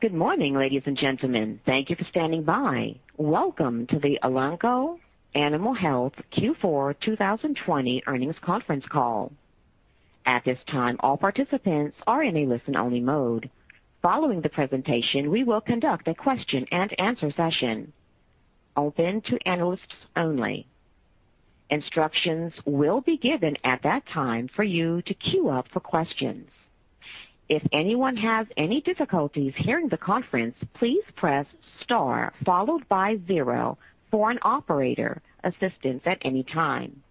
Good morning, ladies and gentlemen. Thank you for standing by. Welcome to the Elanco Animal Health Q4 2020 earnings conference call. At this time, all participants are in a listen-only mode. Following the presentation, we will conduct a question-and-answer session. Open to analysts only. Instructions will be given at that time for you to queue up for questions. If anyone has any difficulties hearing the conference, please press star followed by zero for an operator assistance at any time.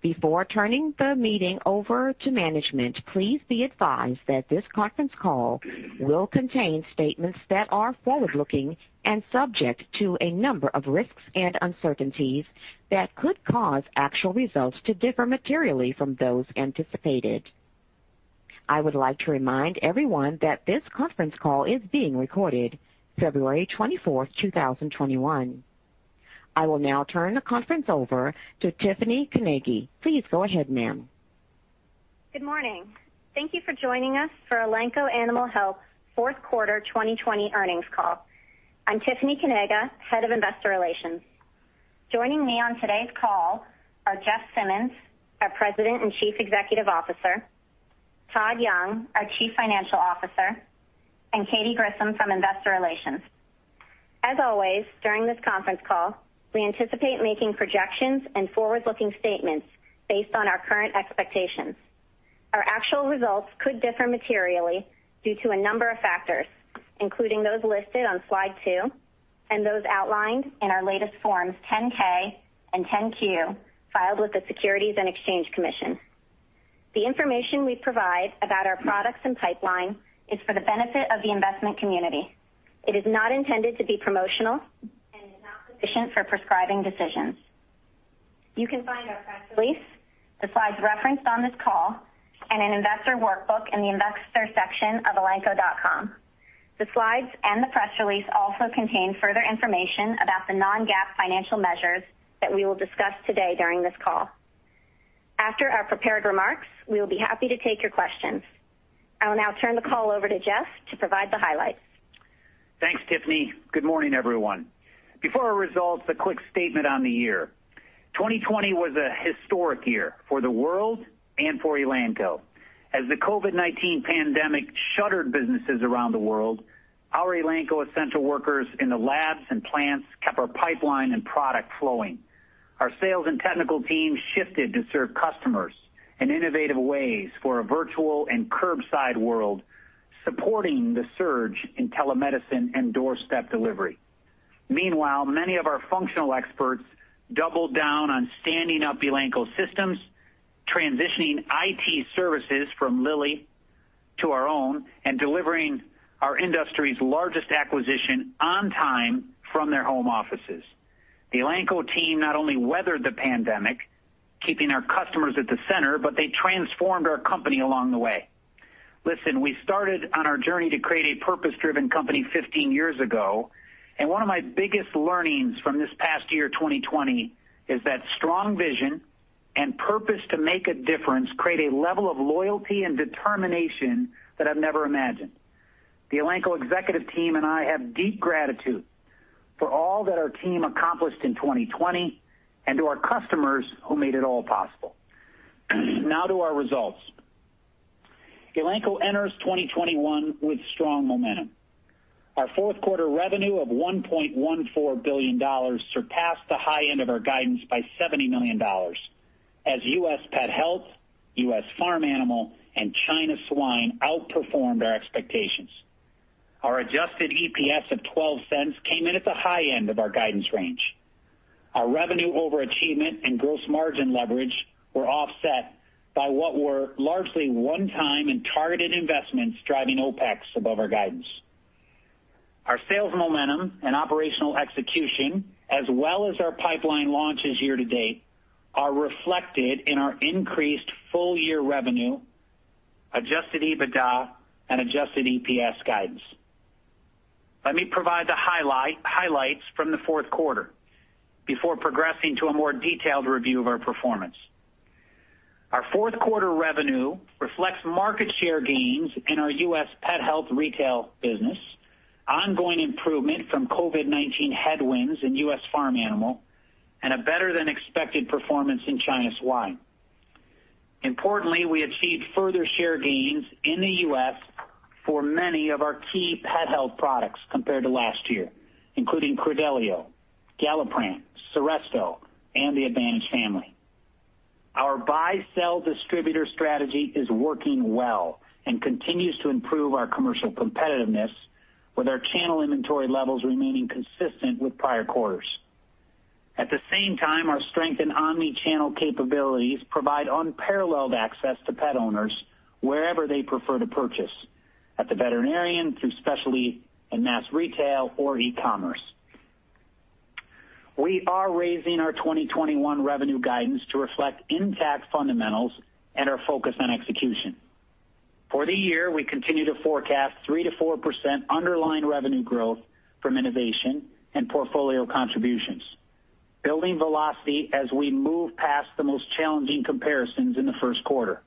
Before turning the meeting over to management, please be advised that this conference call will contain statements that are forward-looking and subject to a number of risks and uncertainties that could cause actual results to differ materially from those anticipated. I would like to remind everyone that this conference call is being recorded, February 24, 2021. I will now turn the conference over to Tiffany Kanaga. Please go ahead, ma'am. Good morning. Thank you for joining us for Elanco Animal Health Q4 2020 earnings call. I'm Tiffany Kanaga, Head of Investor Relations. Joining me on today's call are Jeff Simmons, our President and Chief Executive Officer, Todd Young, our Chief Financial Officer, and Katy Grissom from Investor Relations. As always, during this conference call, we anticipate making projections and forward-looking statements based on our current expectations. Our actual results could differ materially due to a number of factors, including those listed on slide two and those outlined in our latest Forms 10-K and 10-Q filed with the Securities and Exchange Commission. The information we provide about our products and pipeline is for the benefit of the investment community. It is not intended to be promotional and is not sufficient for prescribing decisions. You can find our press release, the slides referenced on this call, and an investor workbook in the investor section of elanco.com. The slides and the press release also contain further information about the non-GAAP financial measures that we will discuss today during this call. After our prepared remarks, we will be happy to take your questions. I will now turn the call over to Jeff to provide the highlights. Thanks, Tiffany. Good morning, everyone. Before our results, a quick statement on the year. 2020 was a historic year for the world and for Elanco. As the COVID-19 pandemic shuttered businesses around the world, our Elanco essential workers in the labs and plants kept our pipeline and product flowing. Our sales and technical team shifted to serve customers in innovative ways for a virtual and curbside world, supporting the surge in telemedicine and doorstep delivery. Meanwhile, many of our functional experts doubled down on standing up Elanco systems, transitioning IT services from Lilly to our own, and delivering our industry's largest acquisition on time from their home offices. The Elanco team not only weathered the pandemic, keeping our customers at the center, but they transformed our company along the way. Listen, we started on our journey to create a purpose-driven company 15 years ago, and one of my biggest learnings from this past year, 2020, is that strong vision and purpose to make a difference create a level of loyalty and determination that I've never imagined. The Elanco executive team and I have deep gratitude for all that our team accomplished in 2020 and to our customers who made it all possible. Now to our results. Elanco enters 2021 with strong momentum. Our Q4 revenue of $1.14 billion surpassed the high end of our guidance by $70 million as U.S. Pet Health, U.S. Farm Animal, and China Swine outperformed our expectations. Our adjusted EPS of $0.12 came in at the high end of our guidance range. Our revenue overachievement and gross margin leverage were offset by what were largely one-time and targeted investments driving OpEx above our guidance. Our sales momentum and operational execution, as well as our pipeline launches year-to-date, are reflected in our increased full-year revenue, Adjusted EBITDA, and Adjusted EPS guidance. Let me provide the highlights from the Q4 before progressing to a more detailed review of our performance. Our Q4 revenue reflects market share gains in our U.S. Pet Health Retail business, ongoing improvement from COVID-19 headwinds in U.S. Farm Animal, and a better-than-expected performance in China Swine. Importantly, we achieved further share gains in the U.S. for many of our key pet health products compared to last year, including Credelio, Galliprant, Seresto, and the Advantage Family. Our buy-sell distributor strategy is working well and continues to improve our commercial competitiveness, with our channel inventory levels remaining consistent with prior quarters. At the same time, our strength in omnichannel capabilities provides unparalleled access to pet owners wherever they prefer to purchase, at the veterinarian, through specialty, and mass retail or e-commerce. We are raising our 2021 revenue guidance to reflect intact fundamentals and our focus on execution. For the year, we continue to forecast 3%-4% underlying revenue growth from innovation and portfolio contributions, building velocity as we move past the most challenging comparisons in the Q1.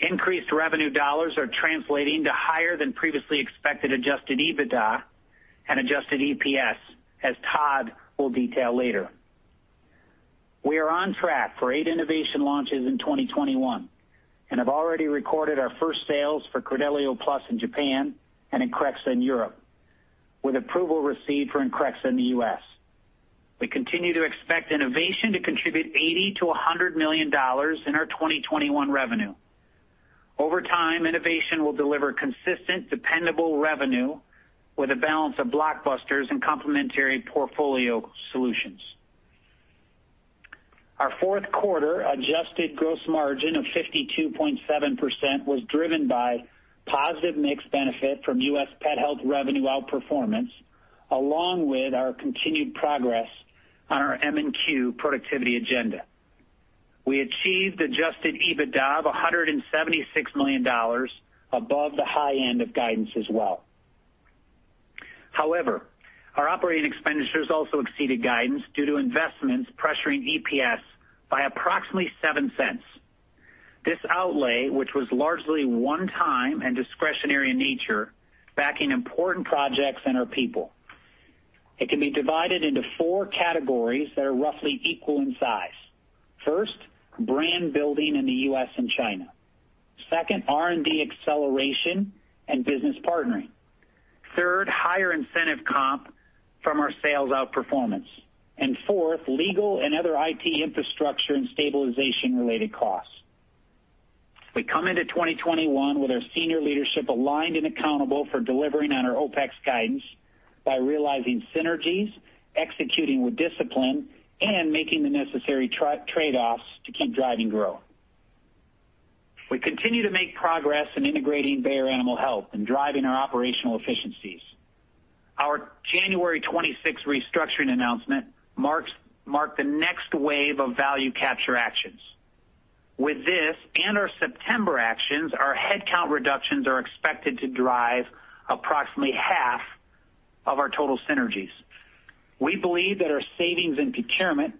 Increased revenue dollars are translating to higher-than-previously-expected Adjusted EBITDA and Adjusted EPS, as Todd will detail later. We are on track for eight innovation launches in 2021 and have already recorded our first sales for Credelio Plus in Japan and Increxxa in Europe, with approval received for Increxxa in the U.S. We continue to expect innovation to contribute $80million-$100 million in our 2021 revenue. Over time, innovation will deliver consistent, dependable revenue with a balance of blockbusters and complementary portfolio solutions. Our Q4 adjusted gross margin of 52.7% was driven by positive mixed benefit from U.S. Pet Health revenue outperformance, along with our continued progress on our M&Q productivity agenda. We achieved adjusted EBITDA of $176 million above the high end of guidance as well. However, our operating expenditures also exceeded guidance due to investments pressuring EPS by approximately $0.07. This outlay, which was largely one-time and discretionary in nature, backed important projects and our people. It can be divided into four categories that are roughly equal in size. First, brand building in the U.S. and China. Second, R&D acceleration and business partnering. Third, higher incentive comp from our sales outperformance, and fourth, legal and other IT infrastructure and stabilization-related costs. We come into 2021 with our senior leadership aligned and accountable for delivering on our OpEx guidance by realizing synergies, executing with discipline, and making the necessary trade-offs to keep driving growth. We continue to make progress in integrating Bayer Animal Health and driving our operational efficiencies. Our January 26 restructuring announcement marked the next wave of value-capture actions. With this and our September actions, our headcount reductions are expected to drive approximately half of our total synergies. We believe that our savings and procurement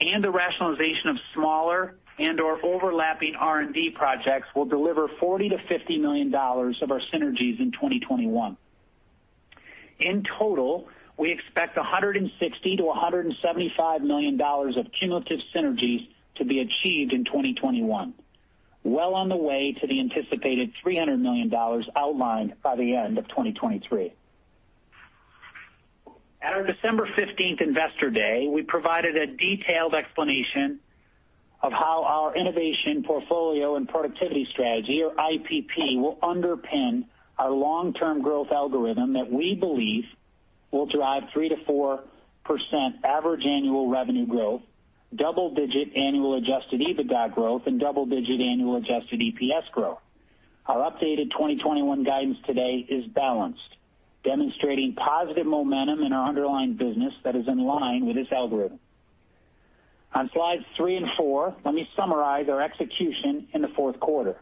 and the rationalization of smaller and/or overlapping R&D projects will deliver $40 million-$50 million of our synergies in 2021. In total, we expect $160 million-$175 million of cumulative synergies to be achieved in 2021, well on the way to the anticipated $300 million outlined by the end of 2023. At our December 15 investor day, we provided a detailed explanation of how our innovation portfolio and productivity strategy, or IPP, will underpin our long-term growth algorithm that we believe will drive 3%-4% average annual revenue growth, double-digit annual adjusted EBITDA growth, and double-digit annual adjusted EPS growth. Our updated 2021 guidance today is balanced, demonstrating positive momentum in our underlying business that is in line with this algorithm. On slides three and four, let me summarize our execution in the Q4.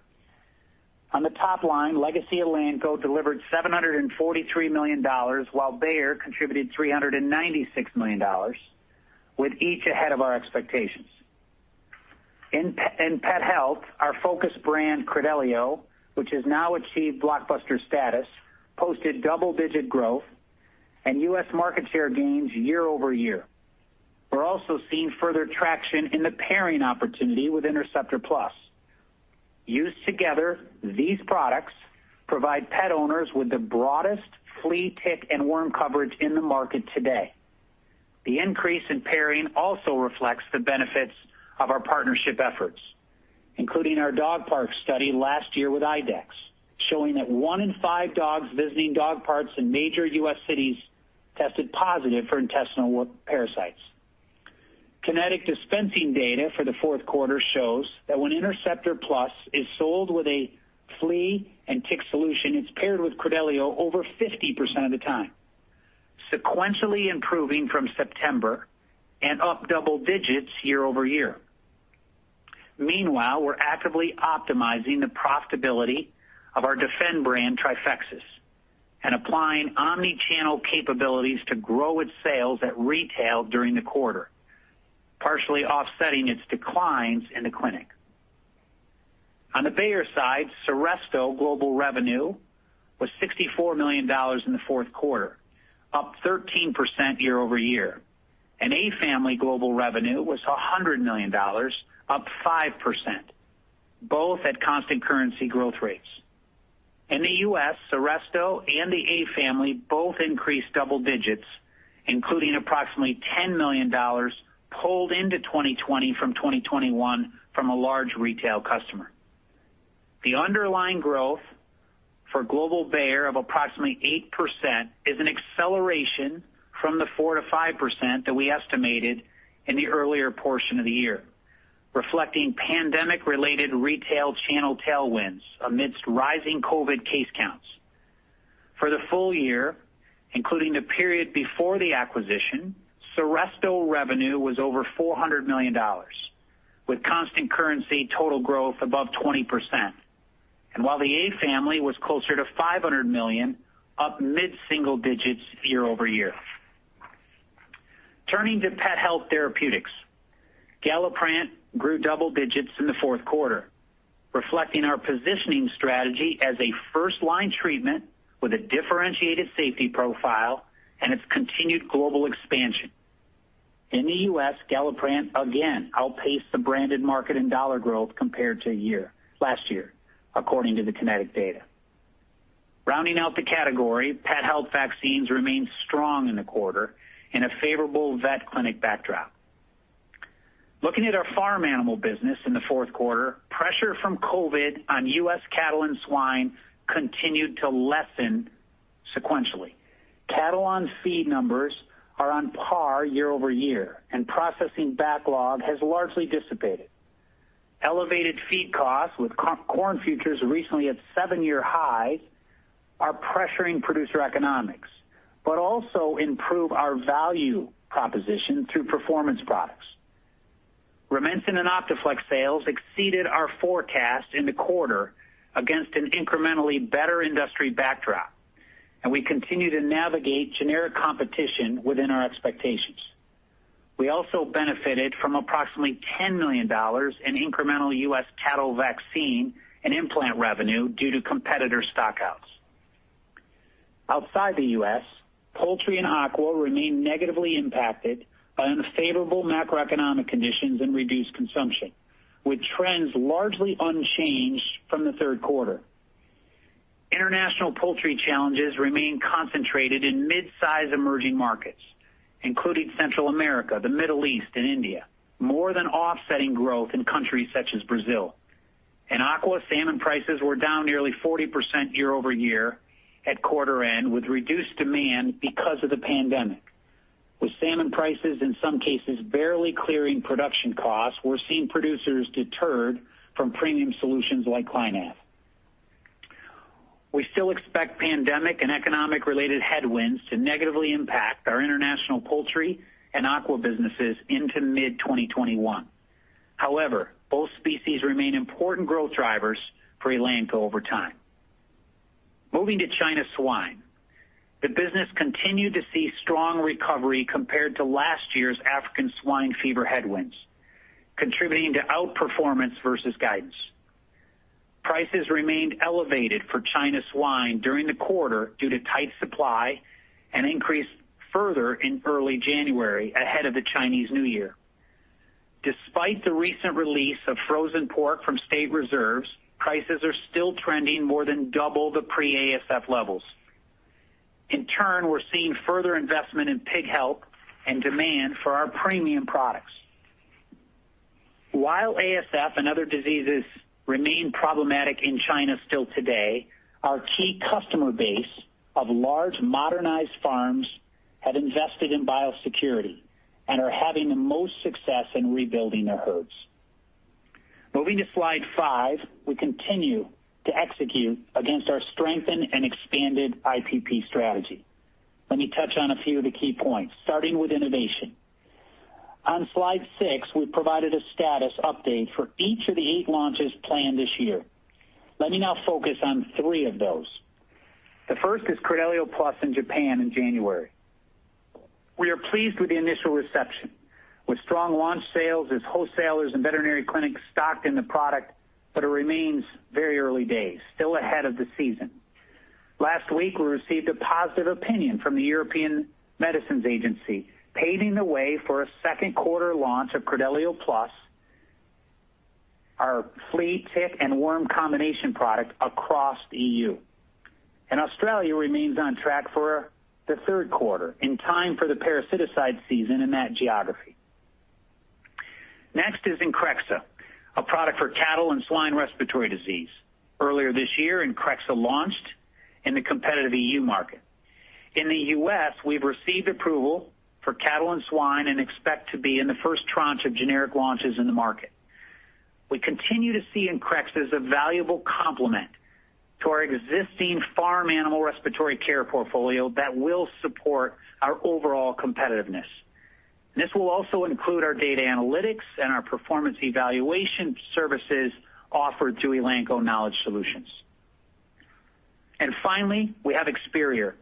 On the top line, Legacy Elanco delivered $743 million, while Bayer contributed $396 million, with each ahead of our expectations. In Pet Health, our focus brand Credelio, which has now achieved blockbuster status, posted double-digit growth and U.S. market share gains year-over-year. We're also seeing further traction in the pairing opportunity with Interceptor Plus. Used together, these products provide pet owners with the broadest flea tick and worm coverage in the market today. The increase in pairing also reflects the benefits of our partnership efforts, including our dog park study last year with IDEXX, showing that one in five dogs visiting dog parks in major U.S. cities tested positive for intestinal parasites. Kynetec dispensing data for the Q4 shows that when Interceptor Plus is sold with a flea and tick solution, it's paired with Credelio over 50% of the time, sequentially improving from September and up double digits year-over-year. Meanwhile, we're actively optimizing the profitability of our defend brand Trifexis and applying omnichannel capabilities to grow its sales at retail during the quarter, partially offsetting its declines in the clinic. On the Bayer side, Seresto global revenue was $64 million in the Q4, up 13% year-over-year. Advantage Family global revenue was $100 million, up 5%, both at constant currency growth rates. In the U.S., Seresto and the Advantage Family both increased double digits, including approximately $10 million pulled into 2020 from 2021 from a large retail customer. The underlying growth for global Bayer of approximately 8% is an acceleration from the 4%-5% that we estimated in the earlier portion of the year, reflecting pandemic-related retail channel tailwinds amidst rising COVID case counts. For the full year, including the period before the acquisition, Seresto revenue was over $400 million, with constant currency total growth above 20%, and while the Advantage Family was closer to $500 million, up mid-single digits year-over-year. Turning to pet health therapeutics, Galliprant grew double digits in the Q4, reflecting our positioning strategy as a first-line treatment with a differentiated safety profile and its continued global expansion. In the U.S., Galliprant again outpaced the branded market in dollar growth compared to last year, according to the Kynetec data. Rounding out the category, pet health vaccines remained strong in the quarter in a favorable vet clinic backdrop. Looking at our farm animal business in the Q4, pressure from COVID on U.S. cattle and swine continued to lessen sequentially. Cattle on feed numbers are on par year-over-year, and processing backlog has largely dissipated. Elevated feed costs, with corn futures recently at seven-year highs, are pressuring producer economics but also improve our value proposition through performance products. Rumensin and Optaflexx sales exceeded our forecast in the quarter against an incrementally better industry backdrop, and we continue to navigate generic competition within our expectations. We also benefited from approximately $10 million in incremental U.S. cattle vaccine and implant revenue due to competitor stockouts. Outside the U.S., poultry and aqua remain negatively impacted by unfavorable macroeconomic conditions and reduced consumption, with trends largely unchanged from the Q4. International poultry challenges remain concentrated in mid-size emerging markets, including Central America, the Middle East, and India, more than offsetting growth in countries such as Brazil. In aqua, salmon prices were down nearly 40% year-over-year at quarter end, with reduced demand because of the pandemic. With salmon prices in some cases barely clearing production costs, we're seeing producers deterred from premium solutions like Clynav. We still expect pandemic and economic-related headwinds to negatively impact our international poultry and aqua businesses into mid-2021. However, both species remain important growth drivers for Elanco over time. Moving to China Swine, the business continued to see strong recovery compared to last year's African Swine Fever headwinds, contributing to outperformance versus guidance. Prices remained elevated for China Swine during the quarter due to tight supply and increased further in early January ahead of the Chinese New Year. Despite the recent release of frozen pork from state reserves, prices are still trending more than double the pre-ASF levels. In turn, we're seeing further investment in pig health and demand for our premium products. While ASF and other diseases remain problematic in China still today, our key customer base of large modernized farms have invested in biosecurity and are having the most success in rebuilding their herds. Moving to slide five, we continue to execute against our strengthened and expanded IPP strategy. Let me touch on a few of the key points, starting with innovation. On slide six, we provided a status update for each of the eight launches planned this year. Let me now focus on three of those. The first is Credelio Plus in Japan in January. We are pleased with the initial reception, with strong launch sales as wholesalers and veterinary clinics stocked the product, but it remains very early days, still ahead of the season. Last week, we received a positive opinion from the European Medicines Agency, paving the way for a second quarter launch of Credelio Plus, our flea tick and worm combination product across the EU, and Australia remains on track for the Q3, in time for the parasiticide season in that geography. Next is Increxxa, a product for cattle and swine respiratory disease. Earlier this year, Increxxa launched in the competitive EU market. In the U.S., we've received approval for cattle and swine and expect to be in the first tranche of generic launches in the market. We continue to see Increxxa as a valuable complement to our existing farm animal respiratory care portfolio that will support our overall competitiveness. This will also include our data analytics and our performance evaluation services offered to Elanco Knowledge Solutions. And finally, we have Experior,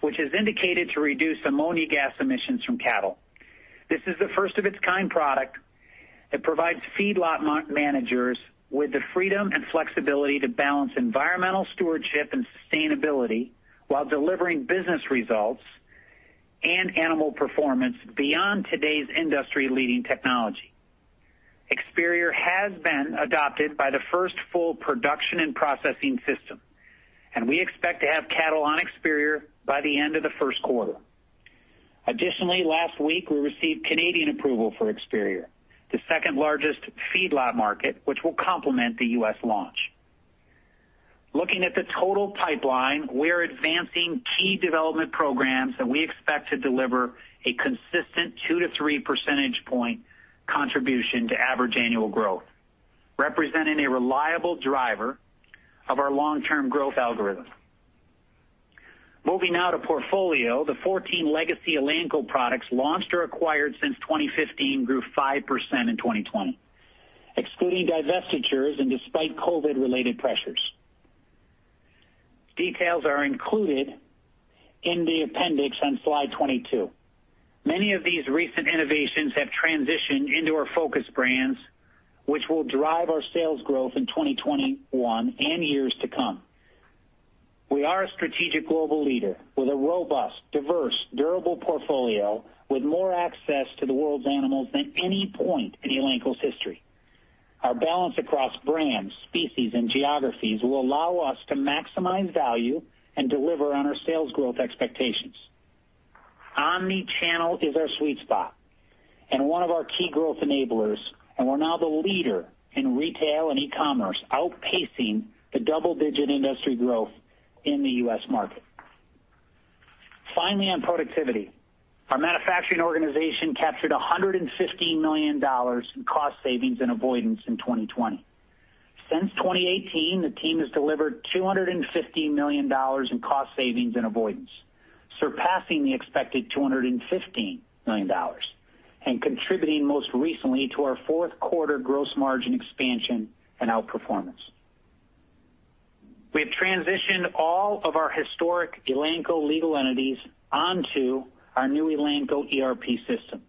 which has indicated to reduce ammonia gas emissions from cattle. This is the first-of-its-kind product that provides feedlot managers with the freedom and flexibility to balance environmental stewardship and sustainability while delivering business results and animal performance beyond today's industry-leading technology. Experior has been adopted by the first full production and processing system, and we expect to have cattle on Experior by the end of the Q1. Additionally, last week, we received Canadian approval for Experior, the second-largest feedlot market, which will complement the U.S. launch. Looking at the total pipeline, we are advancing key development programs that we expect to deliver a consistent 2-3 percentage point contribution to average annual growth, representing a reliable driver of our long-term growth algorithm. Moving now to portfolio, the 14 Legacy Elanco products launched or acquired since 2015 grew 5% in 2020, excluding divestitures and despite COVID-related pressures. Details are included in the appendix on slide 22. Many of these recent innovations have transitioned into our focus brands, which will drive our sales growth in 2021 and years to come. We are a strategic global leader with a robust, diverse, durable portfolio, with more access to the world's animals than any point in Elanco's history. Our balance across brands, species, and geographies will allow us to maximize value and deliver on our sales growth expectations. Omnichannel is our sweet spot and one of our key growth enablers, and we're now the leader in retail and e-commerce, outpacing the double-digit industry growth in the U.S. market. Finally, on productivity, our manufacturing organization captured $115 million in cost savings and avoidance in 2020. Since 2018, the team has delivered $215 million in cost savings and avoidance, surpassing the expected $215 million and contributing most recently to our Q4 gross margin expansion and outperformance. We have transitioned all of our historic Elanco legal entities onto our new Elanco ERP system,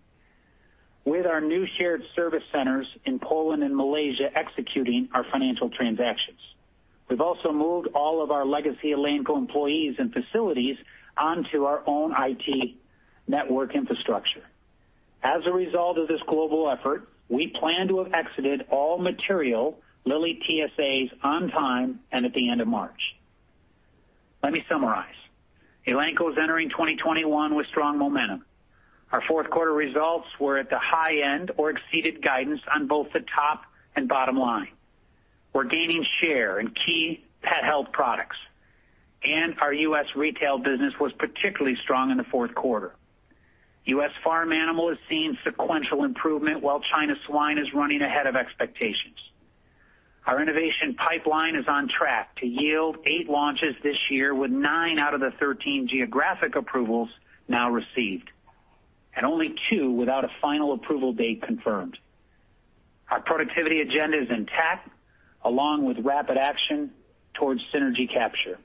with our new shared service centers in Poland and Malaysia executing our financial transactions. We've also moved all of our Legacy Elanco employees and facilities onto our own IT network infrastructure. As a result of this global effort, we plan to have exited all material Lilly TSAs on time and at the end of March. Let me summarize. Elanco is entering 2021 with strong momentum. Our Q4 results were at the high end or exceeded guidance on both the top and bottom line. We're gaining share in key pet health products, and our U.S. retail business was particularly strong in the Q4. U.S. Farm Animal is seeing sequential improvement, while China Swine is running ahead of expectations. Our innovation pipeline is on track to yield eight launches this year, with nine out of the 13 geographic approvals now received and only two without a final approval date confirmed. Our productivity agenda is intact, along with rapid action towards synergy capture.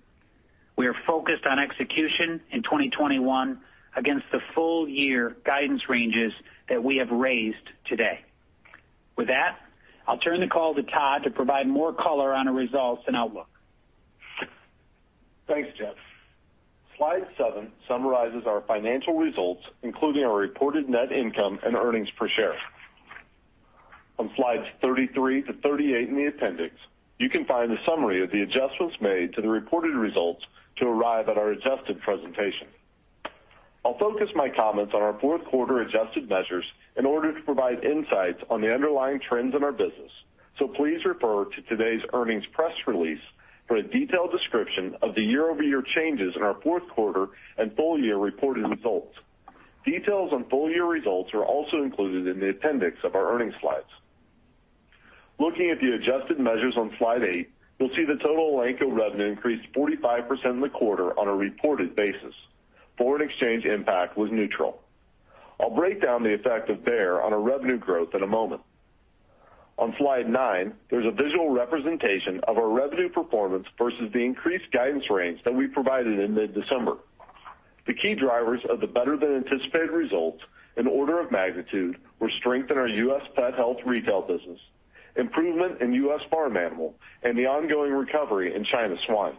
We are focused on execution in 2021 against the full-year guidance ranges that we have raised today. With that, I'll turn the call to Todd to provide more color on our results and outlook. Thanks, Jeff. Slide seven summarizes our financial results, including our reported net income and earnings per share. On slides 33 to 38 in the appendix, you can find a summary of the adjustments made to the reported results to arrive at our adjusted presentation. I'll focus my comments on our Q4 adjusted measures in order to provide insights on the underlying trends in our business, so please refer to today's earnings press release for a detailed description of the year-over-year changes in our Q4 and full-year reported results. Details on full-year results are also included in the appendix of our earnings slides. Looking at the adjusted measures on slide eight, you'll see the total Elanco revenue increased 45% in the Q4 on a reported basis. Foreign exchange impact was neutral. I'll break down the effect of Bayer on our revenue growth in a moment. On slide nine, there's a visual representation of our revenue performance versus the increased guidance range that we provided in mid-December. The key drivers of the better-than-anticipated results, in order of magnitude, were strength in our U.S. Pet Health retail business, improvement in U.S. Farm Animal, and the ongoing recovery in China swine.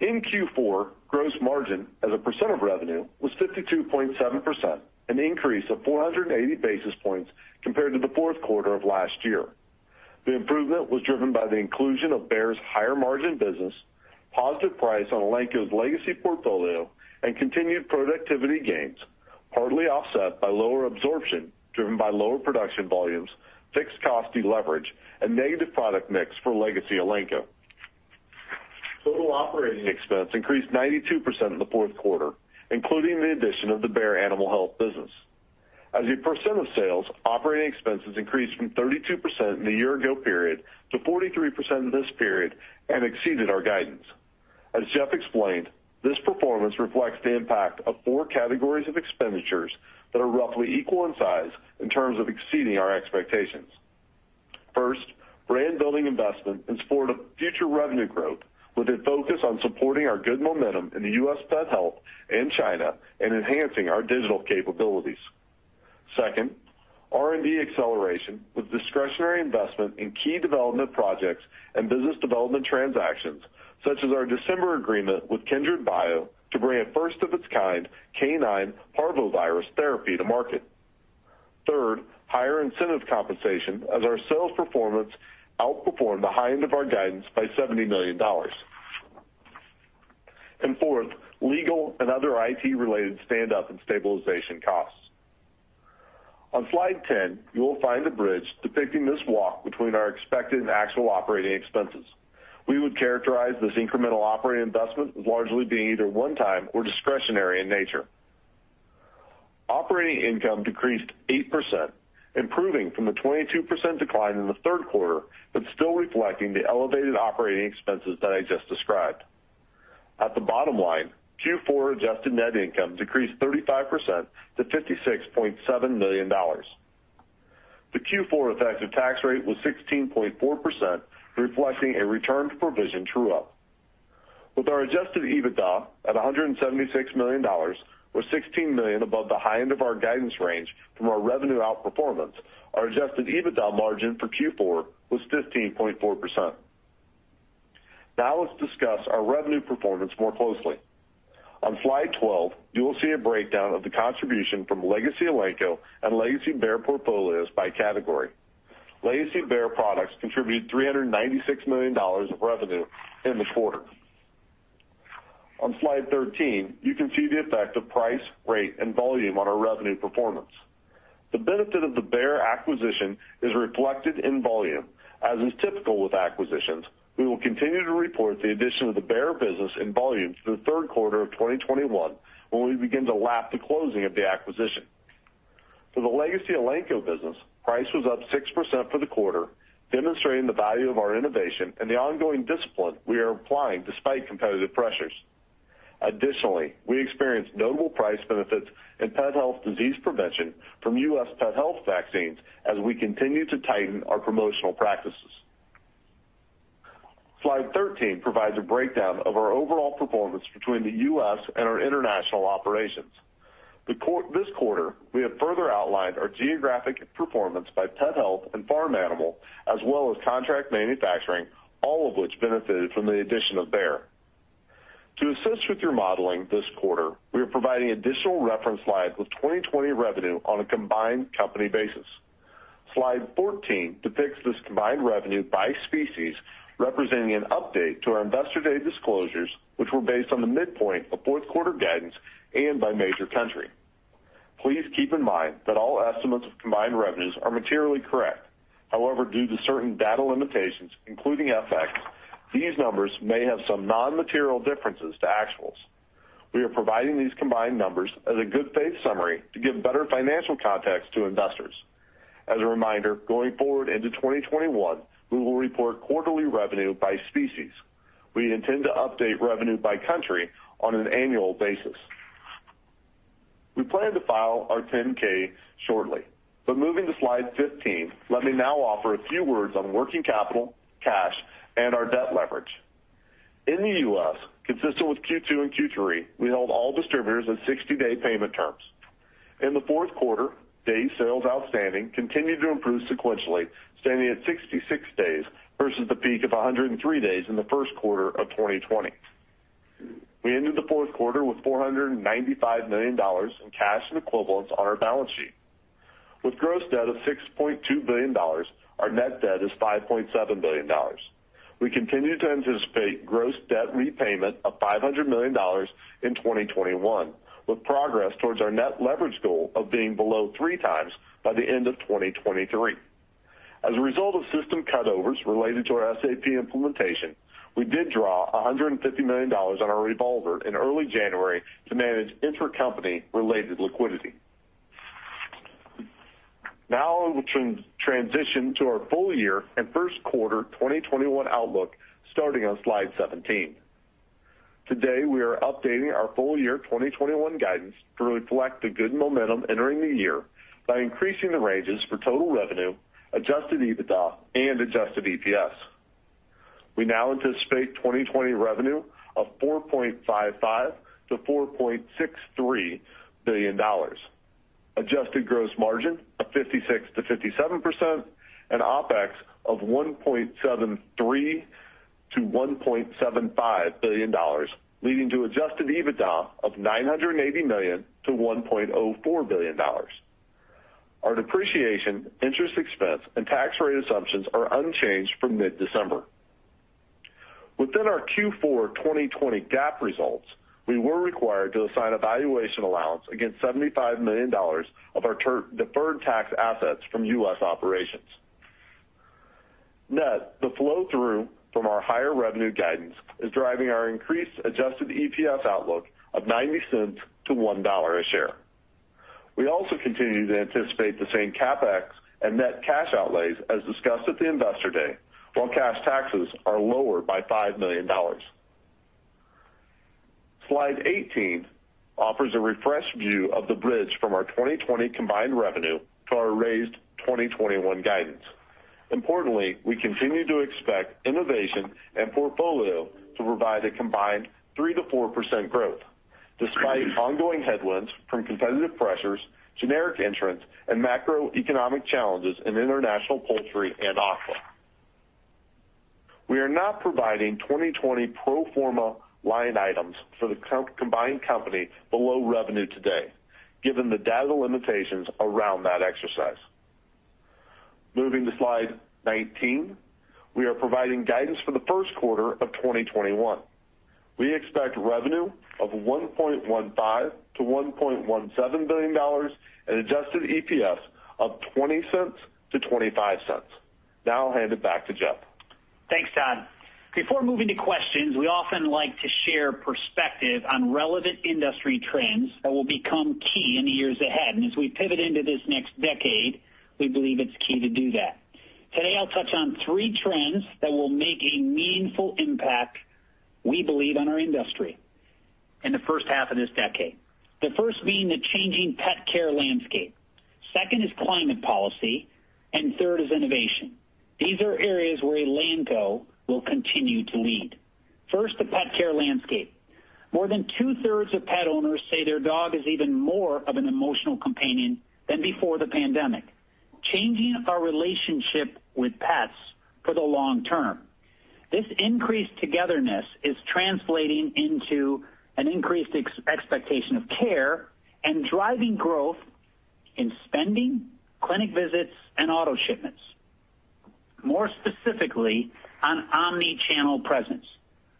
In Q4, gross margin as a percent of revenue was 52.7%, an increase of 480 basis points compared to the Q4 of last year. The improvement was driven by the inclusion of Bayer's higher margin business, positive price on Elanco's legacy portfolio, and continued productivity gains, partly offset by lower absorption driven by lower production volumes, fixed cost de-leverage, and negative product mix for Legacy Elanco. Total operating expense increased 92% in the Q4, including the addition of the Bayer animal health business. As a percent of sales, operating expenses increased from 32% in the year-ago period to 43% in this period and exceeded our guidance. As Jeff explained, this performance reflects the impact of four categories of expenditures that are roughly equal in size in terms of exceeding our expectations. First, brand-building investment has supported future revenue growth with a focus on supporting our good momentum in the U.S. Pet Health and China and enhancing our digital capabilities. Second, R&D acceleration with discretionary investment in key development projects and business development transactions, such as our December agreement with Kindred Bio to bring a first-of-its-kind canine parvovirus therapy to market. Third, higher incentive compensation as our sales performance outperformed the high end of our guidance by $70 million. And fourth, legal and other IT-related stand-up and stabilization costs. On slide ten, you will find a bridge depicting this walk between our expected and actual operating expenses. We would characterize this incremental operating investment as largely being either one-time or discretionary in nature. Operating income decreased 8%, improving from the 22% decline in the Q4, but still reflecting the elevated operating expenses that I just described. At the bottom line, Q4 adjusted net income decreased 35% to $56.7 million. The Q4 effective tax rate was 16.4%, reflecting a return to provision true-up. With our Adjusted EBITDA at $176 million, or $16 million above the high end of our guidance range from our revenue outperformance, our Adjusted EBITDA margin for Q4 was 15.4%. Now let's discuss our revenue performance more closely. On slide 12, you will see a breakdown of the contribution from Legacy Elanco and Legacy Bayer portfolios by category. Legacy Bayer products contributed $396 million of revenue in the Q4. On slide 13, you can see the effect of price, rate, and volume on our revenue performance. The benefit of the Bayer acquisition is reflected in volume. As is typical with acquisitions, we will continue to report the addition of the Bayer business in volume through Q4 of 2021 when we begin to lap the closing of the acquisition. For the Legacy Elanco business, price was up 6% for the Q4, demonstrating the value of our innovation and the ongoing discipline we are applying despite competitive pressures. Additionally, we experienced notable price benefits in pet health disease prevention from U.S. Pet Health vaccines as we continue to tighten our promotional practices. Slide thirteen provides a breakdown of our overall performance between the U.S. and our international operations. This Q4, we have further outlined our geographic performance by pet health and farm animal, as well as contract manufacturing, all of which benefited from the addition of Bayer. To assist with your modeling this Q4, we are providing additional reference slides with 2020 revenue on a combined company basis. Slide fourteen depicts this combined revenue by species, representing an update to our investor day disclosures, which were based on the midpoint of Q4 guidance and by major country. Please keep in mind that all estimates of combined revenues are materially correct. However, due to certain data limitations, including FX, these numbers may have some non-material differences to actuals. We are providing these combined numbers as a good faith summary to give better financial context to investors. As a reminder, going forward into 2021, we will report quarterly revenue by species. We intend to update revenue by country on an annual basis. We plan to file our 10-K shortly, but moving to slide fifteen, let me now offer a few words on working capital, cash, and our debt leverage. In the U.S., consistent with Q2 and Q3, we held all distributors at 60-day payment terms. In the Q4, day sales outstanding continued to improve sequentially, standing at 66 days versus the peak of 103 days in the Q1 of 2020. We ended the Q4 with $495 million in cash and equivalents on our balance sheet. With gross debt of $6.2 billion, our net debt is $5.7 billion. We continue to anticipate gross debt repayment of $500 million in 2021, with progress towards our net leverage goal of being below three times by the end of 2023. As a result of system cutovers related to our SAP implementation, we did draw $150 million on our revolver in early January to manage intra-company related liquidity. Now I will transition to our full-year and Q1 2021 outlook starting on slide seventeen. Today, we are updating our full-year 2021 guidance to reflect the good momentum entering the year by increasing the ranges for total revenue, adjusted EBITDA, and adjusted EPS. We now anticipate 2020 revenue of $4.55 billion-$4.63 billion, adjusted gross margin of 56%-57%, and OpEx of $1.73 billion-$1.75 billion, leading to adjusted EBITDA of $980 million-$1.04 billion. Our depreciation, interest expense, and tax rate assumptions are unchanged from mid-December. Within our Q4 2020 GAAP results, we were required to assign a valuation allowance against $75 million of our deferred tax assets from U.S. operations. Net, the flow-through from our higher revenue guidance is driving our increased adjusted EPS outlook of $0.90-$1 a share. We also continue to anticipate the same CapEx and net cash outlays as discussed at the investor day, while cash taxes are lower by $5 million. Slide eighteen offers a refreshed view of the bridge from our 2020 combined revenue to our raised 2021 guidance. Importantly, we continue to expect innovation and portfolio to provide a combined 3%-4% growth, despite ongoing headwinds from competitive pressures, generic interests, and macroeconomic challenges in international poultry and aqua. We are not providing 2020 pro forma line items for the combined company below revenue today, given the data limitations around that exercise. Moving to slide nineteen, we are providing guidance for the Q1 of 2021. We expect revenue of $1.15 billion-$1.17 billion and Adjusted EPS of $0.20-$0.25. Now I'll hand it back to Jeff. Thanks, Todd. Before moving to questions, we often like to share perspective on relevant industry trends that will become key in the years ahead. As we pivot into this next decade, we believe it's key to do that. Today, I'll touch on three trends that will make a meaningful impact, we believe, on our industry in the first half of this decade. The first being the changing pet care landscape. Second is climate policy, and third is innovation. These are areas where Elanco will continue to lead. First, the pet care landscape. More than two-thirds of pet owners say their dog is even more of an emotional companion than before the pandemic, changing our relationship with pets for the long term. This increased togetherness is translating into an increased expectation of care and driving growth in spending, clinic visits, and auto shipments. More specifically, on omnichannel presence.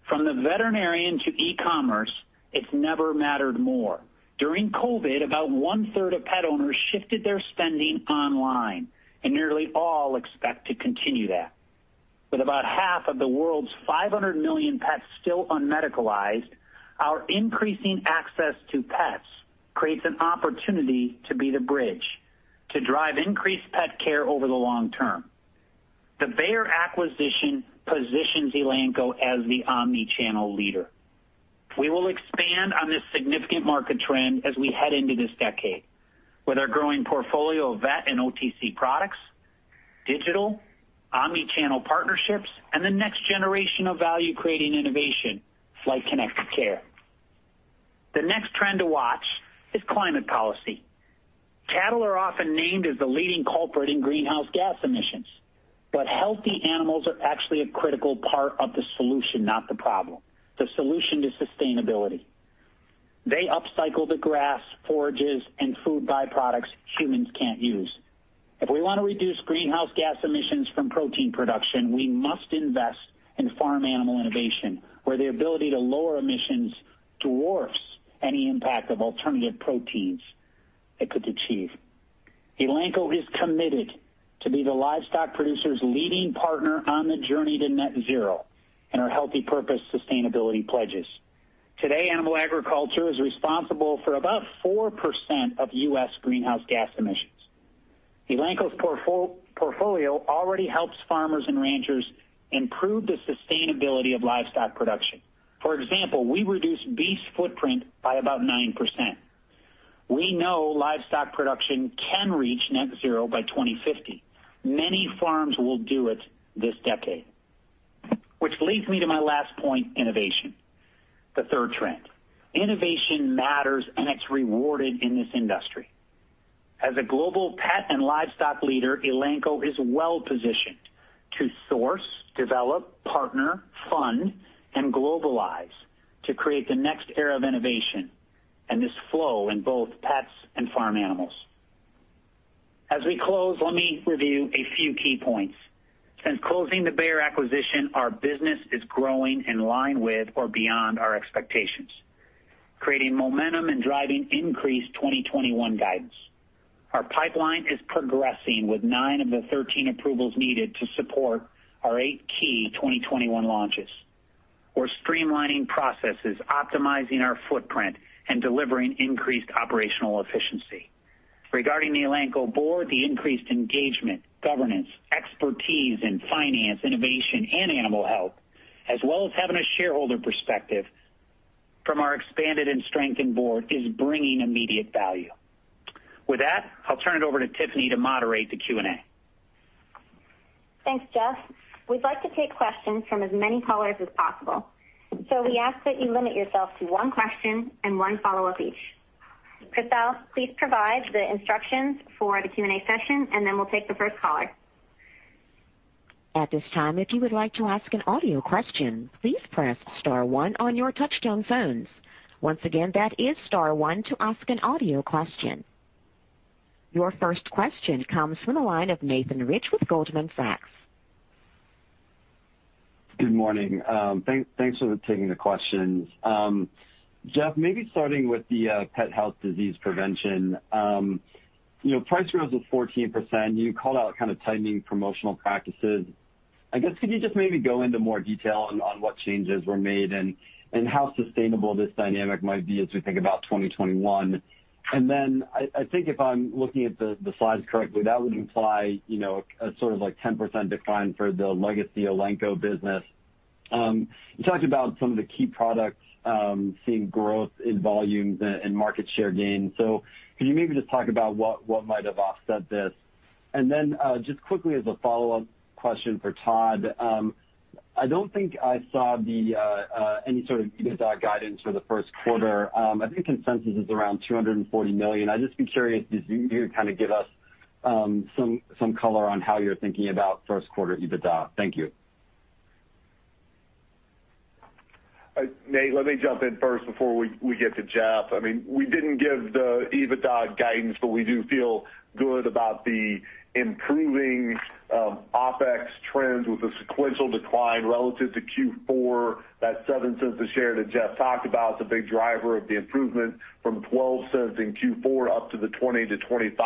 From the veterinarian to e-commerce, it's never mattered more. During COVID, about one-third of pet owners shifted their spending online, and nearly all expect to continue that. With about half of the world's 500 million pets still unmedicalized, our increasing access to pets creates an opportunity to be the bridge to drive increased pet care over the long term. The Bayer acquisition positions Elanco as the omnichannel leader. We will expand on this significant market trend as we head into this decade, with our growing portfolio of vet and OTC products, digital, omnichannel partnerships, and the next generation of value-creating innovation like connected care. The next trend to watch is climate policy. Cattle are often named as the leading culprit in greenhouse gas emissions, but healthy animals are actually a critical part of the solution, not the problem, the solution to sustainability. They upcycle the grass, forages, and food byproducts humans can't use. If we want to reduce greenhouse gas emissions from protein production, we must invest in farm animal innovation, where the ability to lower emissions dwarfs any impact of alternative proteins it could achieve. Elanco is committed to be the livestock producer's leading partner on the journey to net zero and our healthy purpose sustainability pledges. Today, animal agriculture is responsible for about 4% of U.S. greenhouse gas emissions. Elanco's portfolio already helps farmers and ranchers improve the sustainability of livestock production. For example, we reduced beef footprint by about 9%. We know livestock production can reach net zero by 2050. Many farms will do it this decade. Which leads me to my last point, innovation, the third trend. Innovation matters, and it's rewarded in this industry. As a global pet and livestock leader, Elanco is well positioned to source, develop, partner, fund, and globalize to create the next era of innovation and this flow in both pets and farm animals. As we close, let me review a few key points. Since closing the Bayer acquisition, our business is growing in line with or beyond our expectations, creating momentum and driving increased 2021 guidance. Our pipeline is progressing with nine of the 13 approvals needed to support our eight key 2021 launches. We're streamlining processes, optimizing our footprint, and delivering increased operational efficiency. Regarding the Elanco board, the increased engagement, governance, expertise in finance, innovation, and animal health, as well as having a shareholder perspective from our expanded and strengthened board, is bringing immediate value. With that, I'll turn it over to Tiffany to moderate the Q&A. Thanks, Jeff. We'd like to take questions from as many callers as possible. So we ask that you limit yourself to one question and one follow-up each. Christelle, please provide the instructions for the Q&A session, and then we'll take the first caller. At this time, if you would like to ask an audio question, please press star one on your touch-tone phones. Once again, that is star one to ask an audio question. Your first question comes from the line of Nathan Rich with Goldman Sachs. Good morning. Thanks for taking the question. Jeff, maybe starting with the pet health disease prevention. Price growth with 14%. You called out kind of tightening promotional practices. I guess, could you just maybe go into more detail on what changes were made and how sustainable this dynamic might be as we think about 2021? And then I think if I'm looking at the slides correctly, that would imply a sort of like 10% decline for the Legacy Elanco business. You talked about some of the key products seeing growth in volume and market share gains. So could you maybe just talk about what might have offset this? And then just quickly as a follow-up question for Todd, I don't think I saw any sort of EBITDA guidance for the first quarter. I think consensus is around $240 million. I'd just be curious if you could kind of give us some color on how you're thinking about first quarter EBITDA. Thank you. Nate, let me jump in first before we get to Jeff. I mean, we didn't give the EBITDA guidance, but we do feel good about the improving OPEX trend with the sequential decline relative to Q4. That $0.07 a share that Jeff talked about is a big driver of the improvement from $0.12 in Q4 up to the 20%-25%.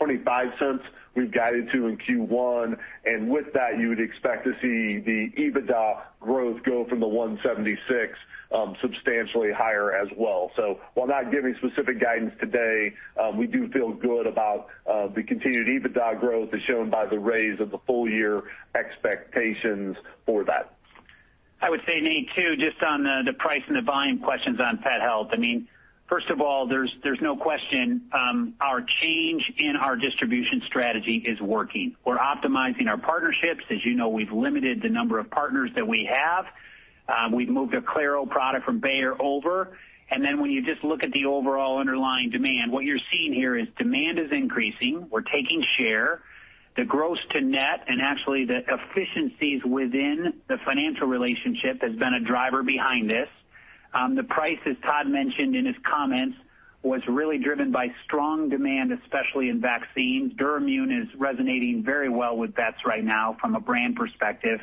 $0.25 we've guided to in Q1, and with that, you would expect to see the EBITDA growth go from the $1.76 substantially higher as well, so while not giving specific guidance today, we do feel good about the continued EBITDA growth as shown by the raise of the full-year expectations for that. I would say, Nate, too, just on the price and the volume questions on pet health. I mean, first of all, there's no question our change in our distribution strategy is working. We're optimizing our partnerships. As you know, we've limited the number of partners that we have. We've moved a Claro product from Bayer over. When you just look at the overall underlying demand, what you're seeing here is demand is increasing. We're taking share. The gross to net and actually the efficiencies within the financial relationship has been a driver behind this. The price, as Todd mentioned in his comments, was really driven by strong demand, especially in vaccines. Duramune is resonating very well with vets right now from a brand perspective.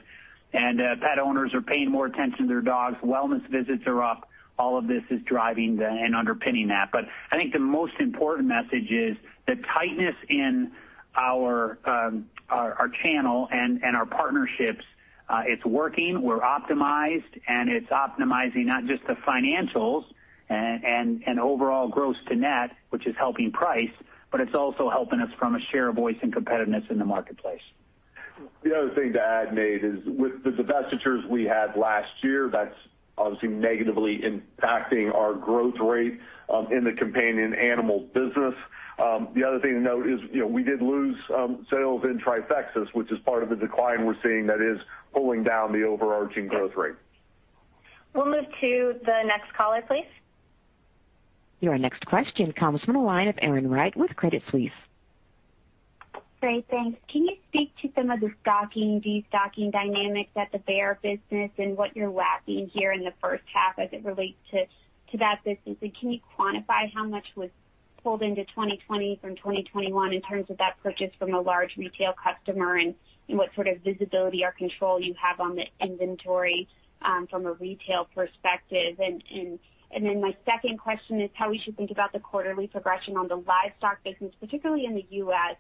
And pet owners are paying more attention to their dogs. Wellness visits are up. All of this is driving and underpinning that. But I think the most important message is the tightness in our channel and our partnerships. It's working. We're optimized. And it's optimizing not just the financials and overall gross to net, which is helping price, but it's also helping us from a share of voice and competitiveness in the marketplace. The other thing to add, Nate, is with the divestitures we had last year, that's obviously negatively impacting our growth rate in the companion animal business. The other thing to note is we did lose sales in Trifexis, which is part of the decline we're seeing that is pulling down the overarching growth rate. We'll move to the next caller, please. Your next question from Erin Wright with Credit Suisse. Great. Thanks. Can you speak to some of the stocking, the stocking dynamics at the Bayer business and what you're wrapping here in the first half as it relates to that business? And can you quantify how much was pulled into 2020 from 2021 in terms of that purchase from a large retail customer and what sort of visibility or control you have on the inventory from a retail perspective? And then my second question is how we should think about the quarterly progression on the livestock business, particularly in the U.S.